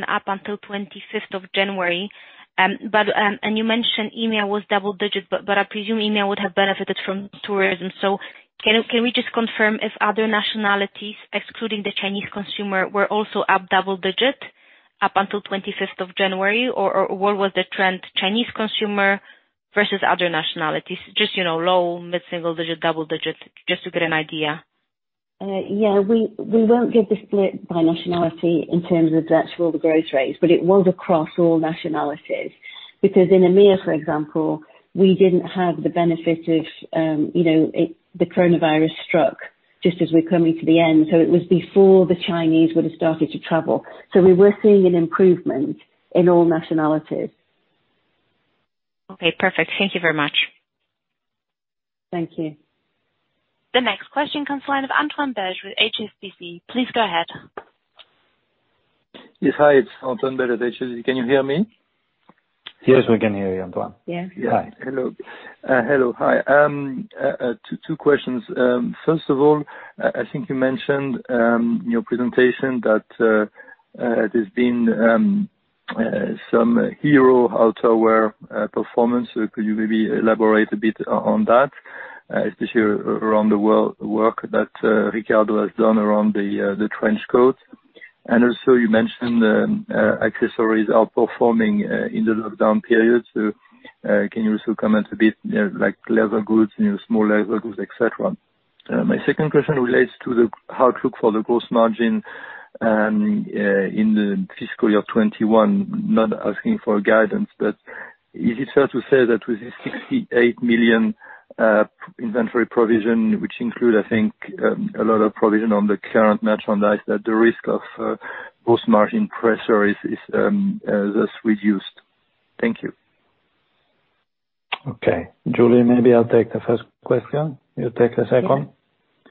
up until 25th of January. You mentioned EMEA was double digit, but I presume EMEA would have benefited from tourism. Can we just confirm if other nationalities, excluding the Chinese consumer, were also up double digit up until 25th of January? What was the trend Chinese consumer versus other nationalities? Just low, mid-single digit, double digit, just to get an idea. Yeah, we won't give the split by nationality in terms of actual the growth rates, but it was across all nationalities because in EMEA, for example, we didn't have the benefit of the coronavirus struck just as we're coming to the end, so it was before the Chinese would've started to travel. We were seeing an improvement in all nationalities. Okay, perfect. Thank you very much. Thank you. The next question comes line of Antoine Belge with HSBC. Please go ahead. Yes. Hi, it's Antoine Belge with HSBC. Can you hear me? Yes, we can hear you, Antoine. Yes. Hi. Hello. Hello. Hi. Two questions. First of all, I think you mentioned in your presentation that there's been some hero outerwear performance. Could you maybe elaborate a bit on that, especially around the work that Riccardo has done around the trench coat? Also you mentioned accessories are performing in the lockdown period. Can you also comment a bit, like leather goods, small leather goods, et cetera. My second question relates to the outlook for the gross margin in the Fiscal Year 2021, not asking for guidance. Is it fair to say that with this 68 million inventory provision, which includes, I think, a lot of provision on the current merchandise, that the risk of gross margin pressure is thus reduced? Thank you. Okay. Julie, maybe I'll take the first question. You take the second.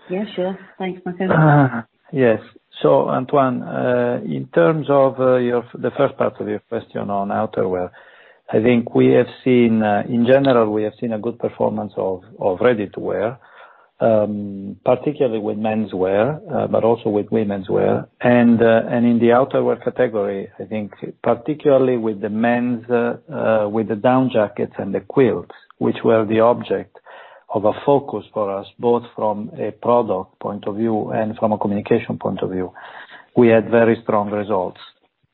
Yeah. Sure. Thanks, Marco. Antoine, in terms of the first part of your question on outerwear, I think in general, we have seen a good performance of ready-to-wear, particularly with menswear, but also with womenswear. In the outerwear category, I think particularly with the men's, with the down jackets and the quilts, which were the object of a focus for us, both from a product point of view and from a communication point of view. We had very strong results,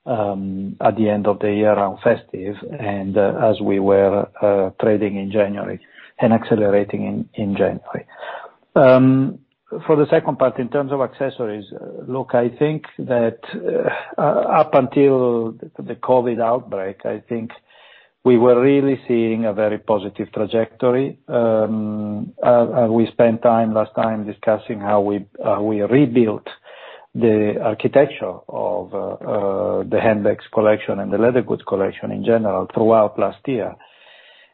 at the end of the year around festive and as we were trading in January and accelerating in January. For the second part, in terms of accessories, look, I think that up until the COVID outbreak, I think we were really seeing a very positive trajectory. We spent time last time discussing how we rebuilt the architecture of the handbags collection and the leather goods collection in general throughout last year.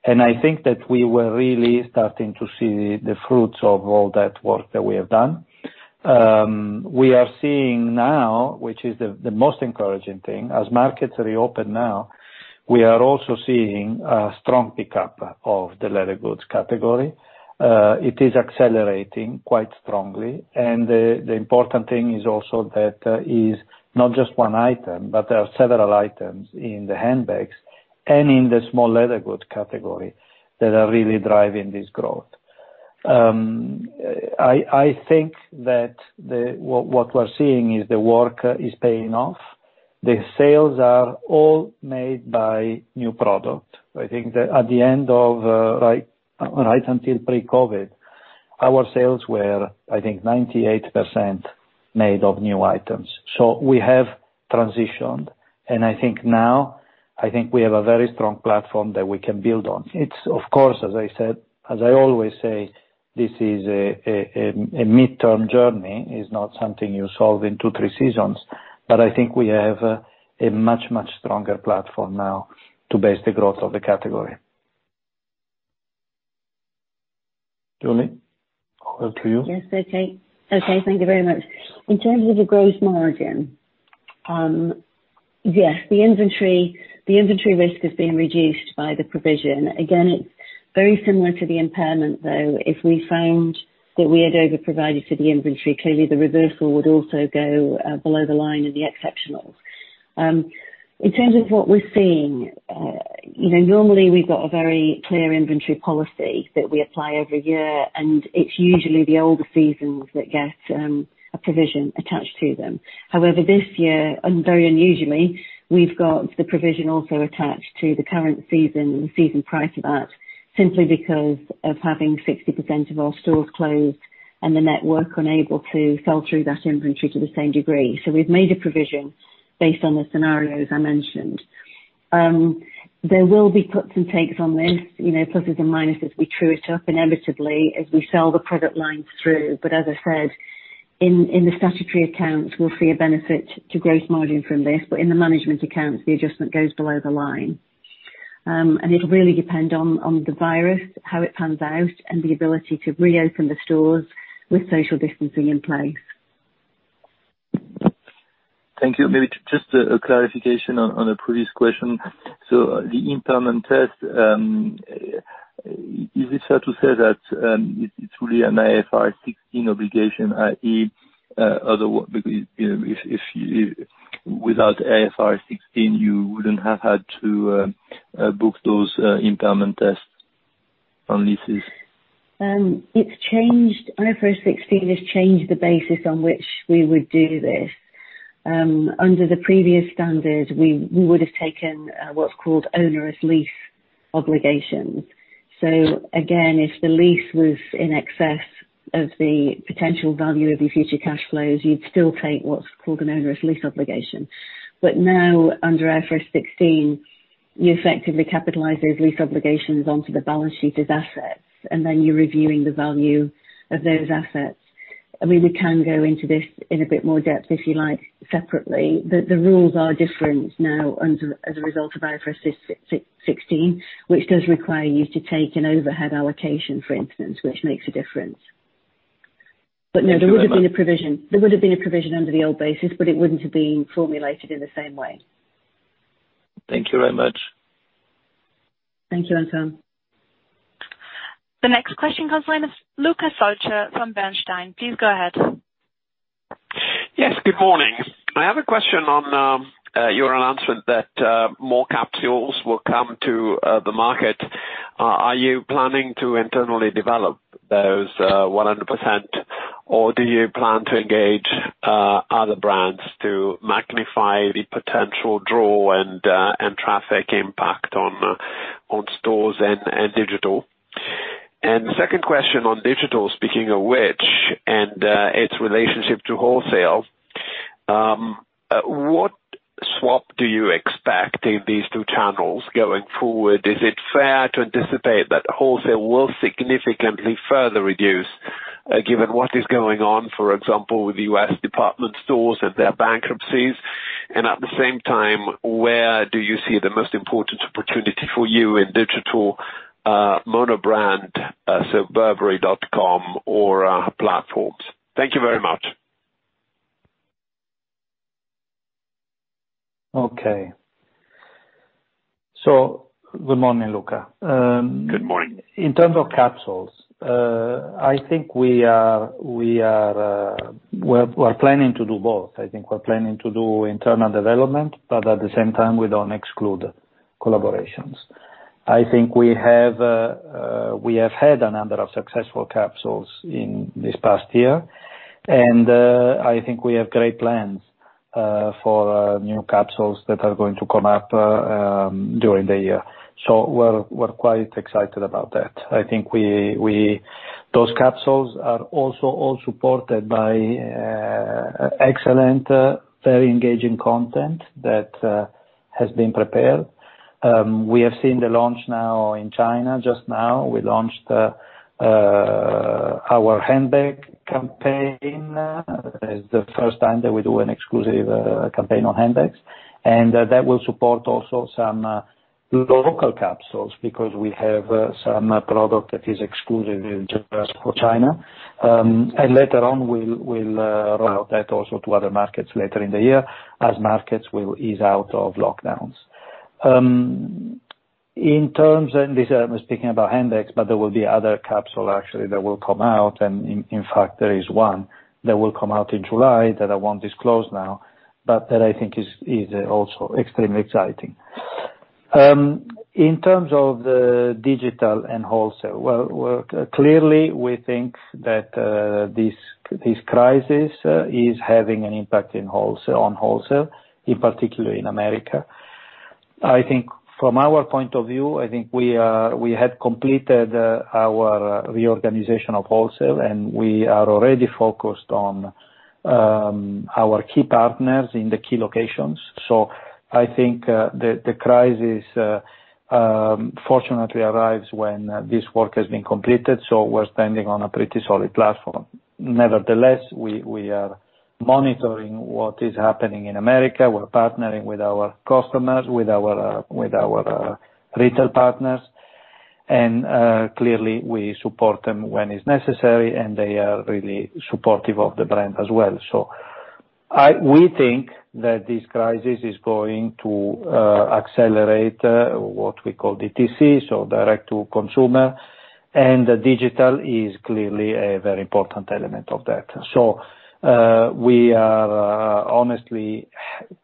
I think that we were really starting to see the fruits of all that work that we have done. We are seeing now, which is the most encouraging thing as markets reopen now, we are also seeing a strong pickup of the leather goods category. It is accelerating quite strongly, and the important thing is also that is not just one item, but there are several items in the handbags and in the small leather goods category that are really driving this growth. I think that what we're seeing is the work is paying off. The sales are all made by new product. I think that right until pre-COVID, our sales were, I think, 98% made of new items. We have transitioned, and I think now, I think we have a very strong platform that we can build on. It's of course, as I always say, this is a mid-term journey, is not something you solve in two, three seasons. I think we have a much, much stronger platform now to base the growth of the category. Julie, over to you. Yes, okay. Thank you very much. In terms of the gross margin, yes, the inventory risk has been reduced by the provision. It's very similar to the impairment, though. If we found that we had over-provided for the inventory, clearly the reversal would also go below the line in the exceptionals. In terms of what we're seeing, normally we've got a very clear inventory policy that we apply every year, and it's usually the older seasons that get a provision attached to them. However, this year, and very unusually, we've got the provision also attached to the current season, the season prior to that, simply because of having 60% of our stores closed and the network unable to sell through that inventory to the same degree. We've made a provision based on the scenarios I mentioned. There will be puts and takes on this, pluses and minuses. We true it up inevitably as we sell the product lines through. As I said, in the statutory accounts, we'll see a benefit to gross margin from this. In the management accounts, the adjustment goes below the line. It'll really depend on the virus, how it pans out, and the ability to reopen the stores with social distancing in place. Thank you. Maybe just a clarification on a previous question. The impairment test, is it fair to say that it's really an IFRS 16 obligation, i.e., because if without IFRS 16 you wouldn't have had to book those impairment tests on leases? IFRS 16 has changed the basis on which we would do this. Under the previous standard, we would have taken what's called onerous lease obligations. Again, if the lease was in excess of the potential value of your future cash flows, you'd still take what's called an onerous lease obligation. Now, under IFRS 16, you effectively capitalize those lease obligations onto the balance sheet as assets, and then you're reviewing the value of those assets. We can go into this in a bit more depth if you like, separately. The rules are different now as a result of IFRS 16, which does require you to take an overhead allocation, for instance, which makes a difference. No, there would have been a provision under the old basis, but it wouldn't have been formulated in the same way. Thank you very much. Thank you, Antoine. The next question comes from Luca Solca from Bernstein. Please go ahead. Yes, good morning. I have a question on your announcement that more capsules will come to the market. Are you planning to internally develop those 100%, or do you plan to engage other brands to magnify the potential draw and traffic impact on stores and digital? Second question on digital, speaking of which, and its relationship to wholesale, what swap do you expect in these two channels going forward? Is it fair to anticipate that wholesale will significantly further reduce, given what is going on, for example, with the U.S. department stores and their bankruptcies? At the same time, where do you see the most important opportunity for you in digital mono-brand, so burberry.com or other platforms? Thank you very much. Okay. good morning, Luca. Good morning. In terms of capsules, we are planning to do both. We're planning to do internal development, but at the same time, we don't exclude collaborations. We have had a number of successful capsules in this past year, and we have great plans for new capsules that are going to come up during the year. We're quite excited about that. Those capsules are also all supported by excellent, very engaging content that has been prepared. We have seen the launch now in China. Just now, we launched our handbag campaign. It's the first time that we do an exclusive campaign on handbags, and that will support also some local capsules because we have some product that is exclusive just for China. Later on, we'll roll out that also to other markets later in the year as markets will ease out of lockdowns. In terms, and this I'm speaking about handbags, but there will be other capsule actually that will come out, and in fact, there is one that will come out in July that I won't disclose now, but that I think is also extremely exciting. In terms of the digital and wholesale, well, clearly, we think that this crisis is having an impact on wholesale, in particular in America. I think from our point of view, I think we had completed our reorganization of wholesale, and we are already focused on our key partners in the key locations. I think the crisis fortunately arrives when this work has been completed, so we're standing on a pretty solid platform. Nevertheless, we are monitoring what is happening in America. We're partnering with our customers, with our retail partners, and clearly we support them when it's necessary, and they are really supportive of the brand as well. We think that this crisis is going to accelerate what we call DTC, so direct-to-consumer, and digital is clearly a very important element of that. We are honestly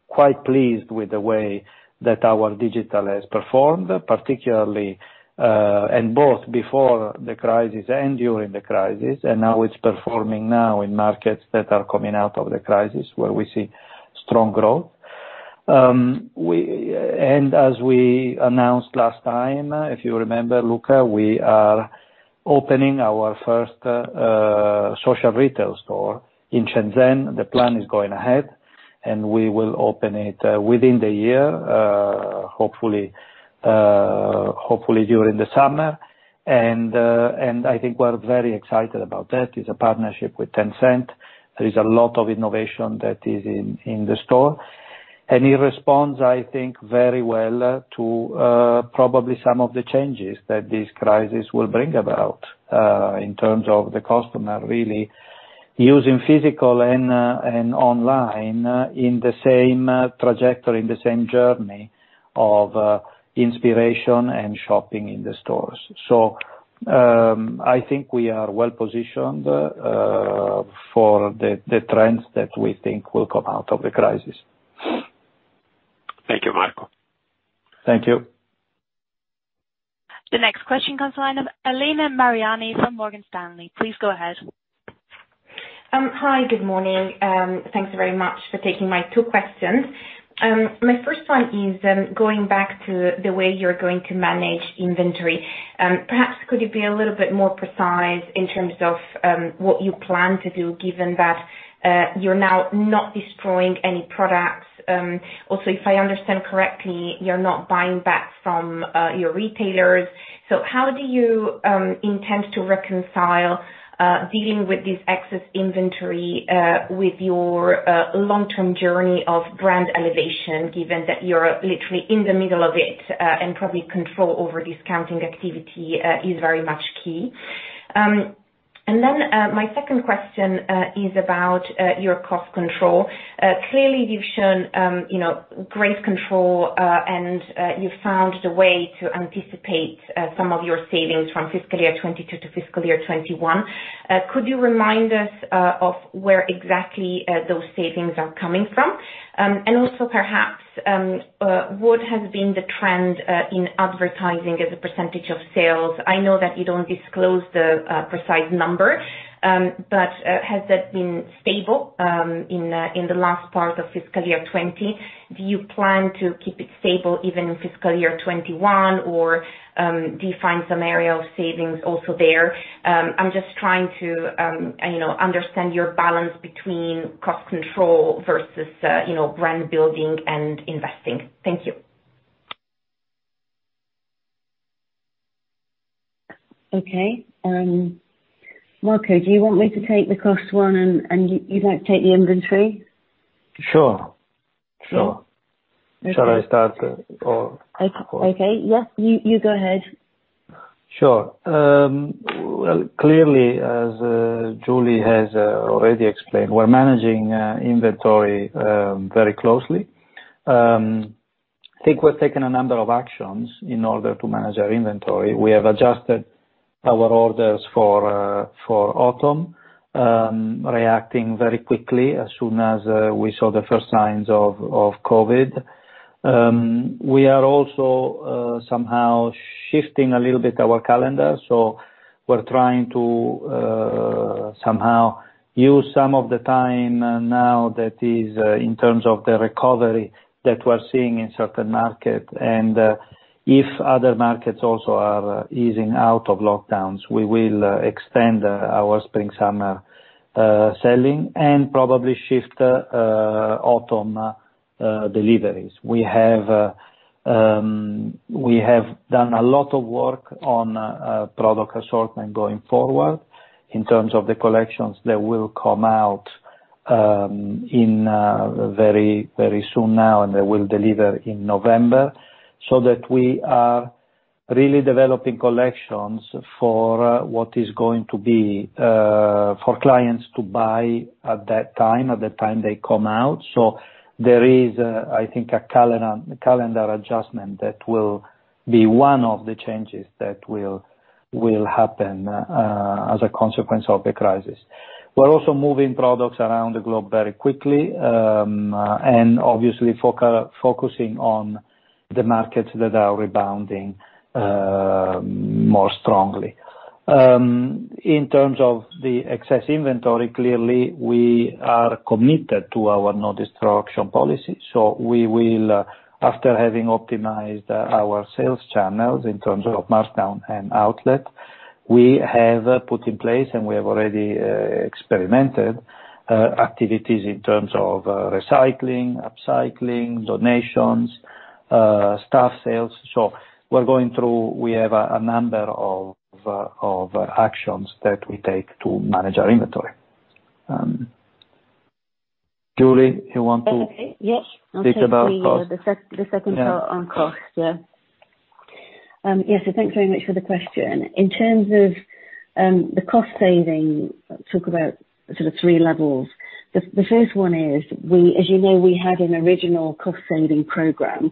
quite pleased with the way that our digital has performed, particularly, and both before the crisis and during the crisis, and now it's performing in markets that are coming out of the crisis where we see strong growth. As we announced last time, if you remember, Luca, we are opening our first social retail store in Shenzhen. The plan is going ahead, and we will open it within the year, hopefully during the summer, and I think we're very excited about that. It's a partnership with Tencent. There is a lot of innovation that is in the store. It responds, I think, very well to probably some of the changes that this crisis will bring about in terms of the customer really using physical and online in the same trajectory, in the same journey of inspiration and shopping in the stores. I think we are well positioned for the trends that we think will come out of the crisis. Thank you Marco. The next question comes from Elena Mariani from Morgan Stanley. Please go ahead. Hi. Good morning. Thanks very much for taking my two questions. My first one is going back to the way you're going to manage inventory. Perhaps could you be a little bit more precise in terms of what you plan to do, given that you're now not destroying any products? If I understand correctly, you're not buying back from your retailers. How do you intend to reconcile dealing with this excess inventory with your long-term journey of brand elevation, given that you're literally in the middle of it, and probably control over discounting activity is very much key? My second question is about your cost control. Clearly, you've shown great control, and you've found a way to anticipate some of your savings from Fiscal Year 2022 to Fiscal Year 2021. Could you remind us of where exactly those savings are coming from? Also, perhaps, what has been the trend in advertising as a percentage of sales? I know that you don't disclose the precise number, but has that been stable in the last part of Fiscal Year 2020? Do you plan to keep it stable even in Fiscal Year 2021, or do you find some area of savings also there? I'm just trying to understand your balance between cost control versus brand building and investing. Thank you. Okay. Marco, do you want me to take the cost one and you'd like to take the inventory? Sure. Okay. Shall I start or? Okay. Yes. You go ahead. Sure. Well, clearly, as Julie has already explained, we're managing inventory very closely. I think we've taken a number of actions in order to manage our inventory. We have adjusted our orders for autumn, reacting very quickly as soon as we saw the first signs of COVID. We are also somehow shifting a little bit our calendar. We're trying to somehow use some of the time now that is in terms of the recovery that we're seeing in certain markets. If other markets also are easing out of lockdowns, we will extend our spring/summer selling and probably shift autumn deliveries. We have done a lot of work on product assortment going forward in terms of the collections that will come out very soon now, and they will deliver in November, so that we are really developing collections for what is going to be for clients to buy at that time, at the time they come out. There is, I think, a calendar adjustment that will be one of the changes that will happen as a consequence of the crisis. We're also moving products around the globe very quickly, and obviously focusing on the markets that are rebounding more strongly. In terms of the excess inventory, clearly, we are committed to our no destruction policy. We will, after having optimized our sales channels in terms of markdown and outlet, we have put in place and we have already experimented activities in terms of recycling, upcycling, donations, staff sales. We have a number of actions that we take to manage our inventory. Julie, you want to speak about cost? I'll take the second part on cost. Yeah. Thanks very much for the question. In terms of the cost saving, talk about sort of three levels. The first one is, as you know, we had an original cost-saving program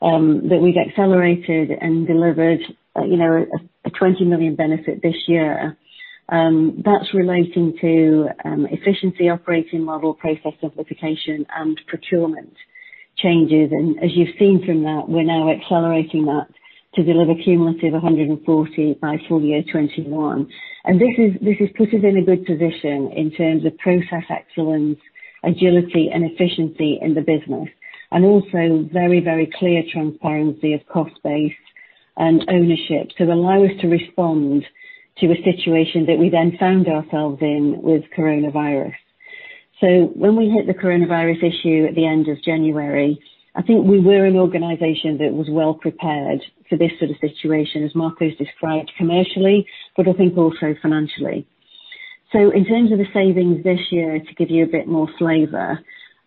that we've accelerated and delivered a 20 million benefit this year. That's relating to efficiency operating model, process simplification, and procurement changes. As you've seen from that, we're now accelerating that to deliver cumulative 140 million by full year 2021. This has put us in a good position in terms of process excellence, agility, and efficiency in the business, and also very clear transparency of cost base and ownership to allow us to respond to a situation that we then found ourselves in with coronavirus. When we hit the COVID-19 issue at the end of January, I think we were an organization that was well prepared for this sort of situation, as Marco described commercially, but I think also financially. In terms of the savings this year, to give you a bit more flavor,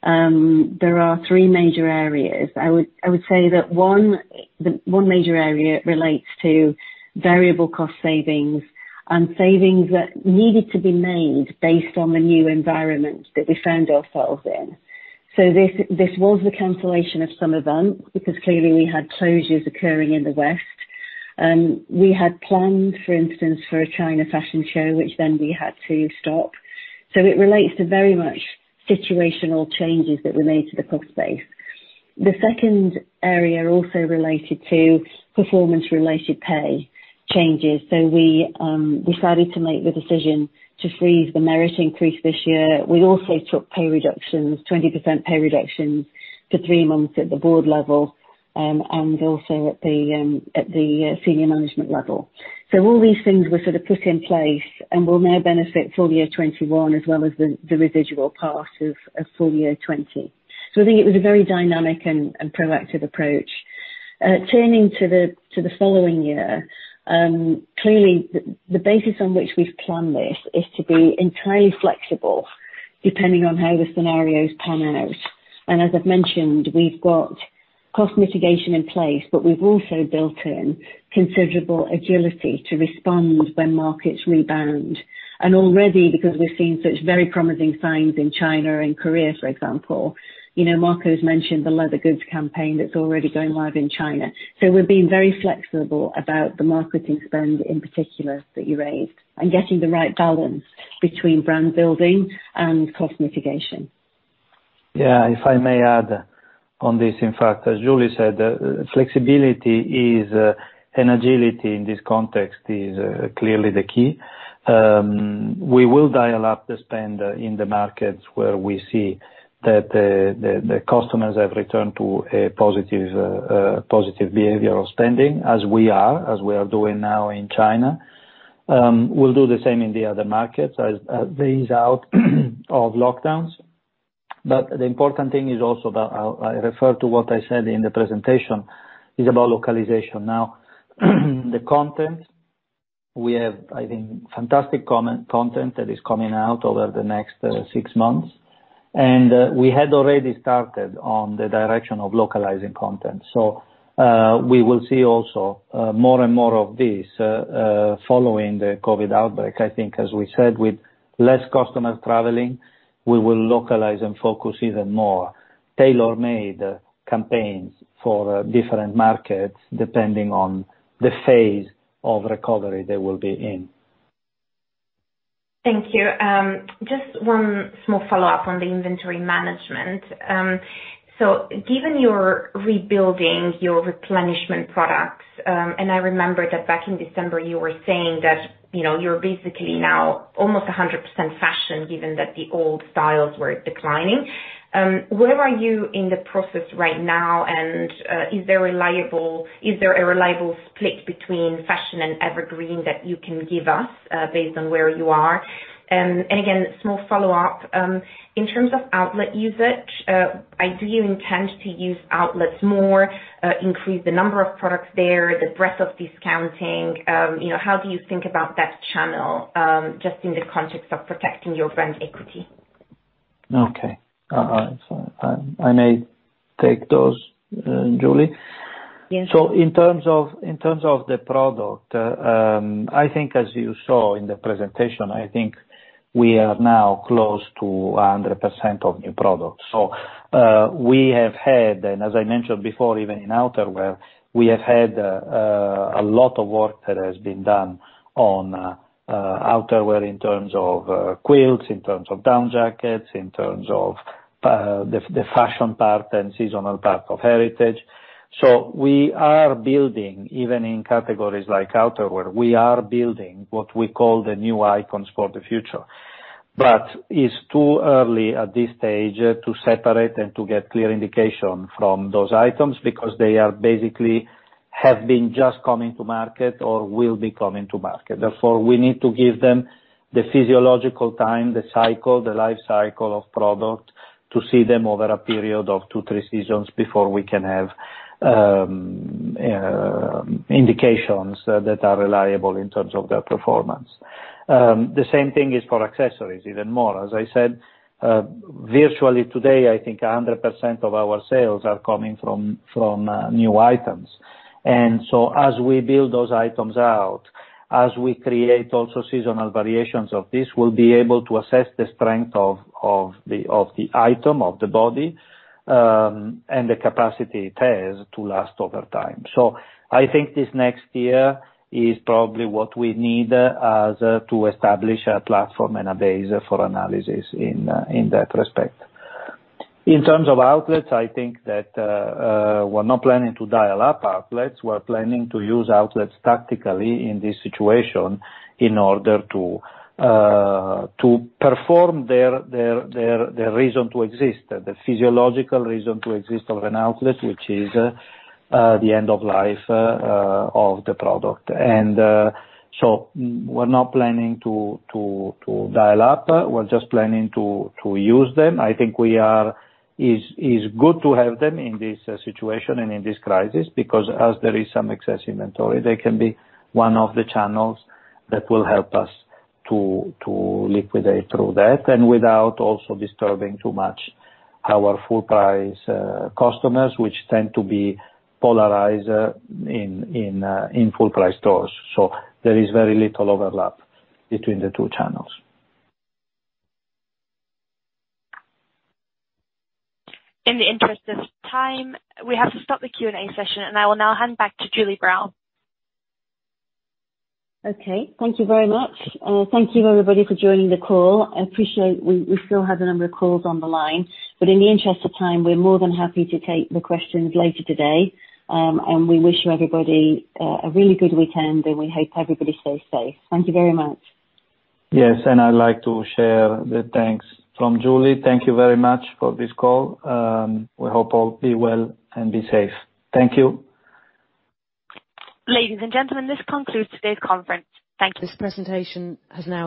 there are three major areas. I would say that one major area relates to variable cost savings and savings that needed to be made based on the new environment that we found ourselves in. This was the cancellation of some events because clearly we had closures occurring in the West. We had planned, for instance, for a China fashion show, which then we had to stop. It relates to very much situational changes that relate to the cost base. The second area also related to performance-related pay changes. We decided to make the decision to freeze the merit increase this year. We also took pay reductions, 20% pay reductions, for three months at the board level, and also at the senior management level. All these things were sort of put in place and will now benefit full year 2021 as well as the residual part of full year 2020. I think it was a very dynamic and proactive approach. Turning to the following year, clearly, the basis on which we've planned this is to be entirely flexible depending on how the scenarios pan out. As I've mentioned, we've got cost mitigation in place, but we've also built in considerable agility to respond when markets rebound. Already, because we're seeing such very promising signs in China and Korea, for example, Marco's mentioned the leather goods campaign that's already going live in China. We're being very flexible about the marketing spend, in particular, that you raised, and getting the right balance between brand building and cost mitigation. Yeah. If I may add on this, in fact, as Julie said, flexibility and agility in this context is clearly the key. We will dial up the spend in the markets where we see that the customers have returned to a positive behavioral spending, as we are doing now in China. We'll do the same in the other markets as they ease out of lockdowns. The important thing is also, I refer to what I said in the presentation, is about localization. The content we have, I think, fantastic content that is coming out over the next six months. We had already started on the direction of localizing content. We will see also more and more of this following the COVID outbreak. I think as we said, with less customers traveling, we will localize and focus even more tailor-made campaigns for different markets depending on the phase of recovery they will be in. Thank you. Just one small follow-up on the inventory management. Given you're rebuilding your replenishment products, and I remember that back in December you were saying that you're basically now almost 100% fashion, given that the old styles were declining. Where are you in the process right now, is there a reliable split between fashion and evergreen that you can give us based on where you are? Again, small follow-up, in terms of outlet usage, do you intend to use outlets more, increase the number of products there, the breadth of discounting? How do you think about that channel, just in the context of protecting your brand equity? Okay. I may take those, Julie. Yes. In terms of the product, I think as you saw in the presentation, I think we are now close to 100% of new products. We have had, and as I mentioned before, even in outerwear, we have had a lot of work that has been done on outerwear in terms of quilts, in terms of down jackets, in terms of the fashion part and seasonal part of heritage. We are building, even in categories like outerwear, we are building what we call the new icons for the future. It's too early at this stage to separate and to get clear indication from those items, because they basically have been just coming to market or will be coming to market. Therefore, we need to give them the physiological time, the cycle, the life cycle of product to see them over a period of two, three seasons before we can have indications that are reliable in terms of their performance. The same thing is for accessories, even more. As I said, virtually today, I think 100% of our sales are coming from new items. As we build those items out, as we create also seasonal variations of this, we'll be able to assess the strength of the item, of the body, and the capacity it has to last over time. I think this next year is probably what we need as to establish a platform and a base for analysis in that respect. In terms of outlets, I think that we're not planning to dial up outlets. We're planning to use outlets tactically in this situation in order to perform their reason to exist, the physiological reason to exist of an outlet, which is the end of life of the product. We're not planning to dial up. We're just planning to use them. I think it's good to have them in this situation and in this crisis, because as there is some excess inventory, they can be one of the channels that will help us to liquidate through that, and without also disturbing too much our full price customers, which tend to be polarized in full price stores. There is very little overlap between the two channels. In the interest of time, we have to stop the Q&A session, and I will now hand back to Julie Brown. Okay. Thank you very much. Thank you, everybody, for joining the call. I appreciate we still have a number of calls on the line. In the interest of time, we're more than happy to take the questions later today. We wish you everybody a really good weekend, and we hope everybody stays safe. Thank you very much. Yes, I'd like to share the thanks from Julie. Thank you very much for this call. We hope all be well and be safe. Thank you. Ladies and gentlemen, this concludes today's conference. Thank you.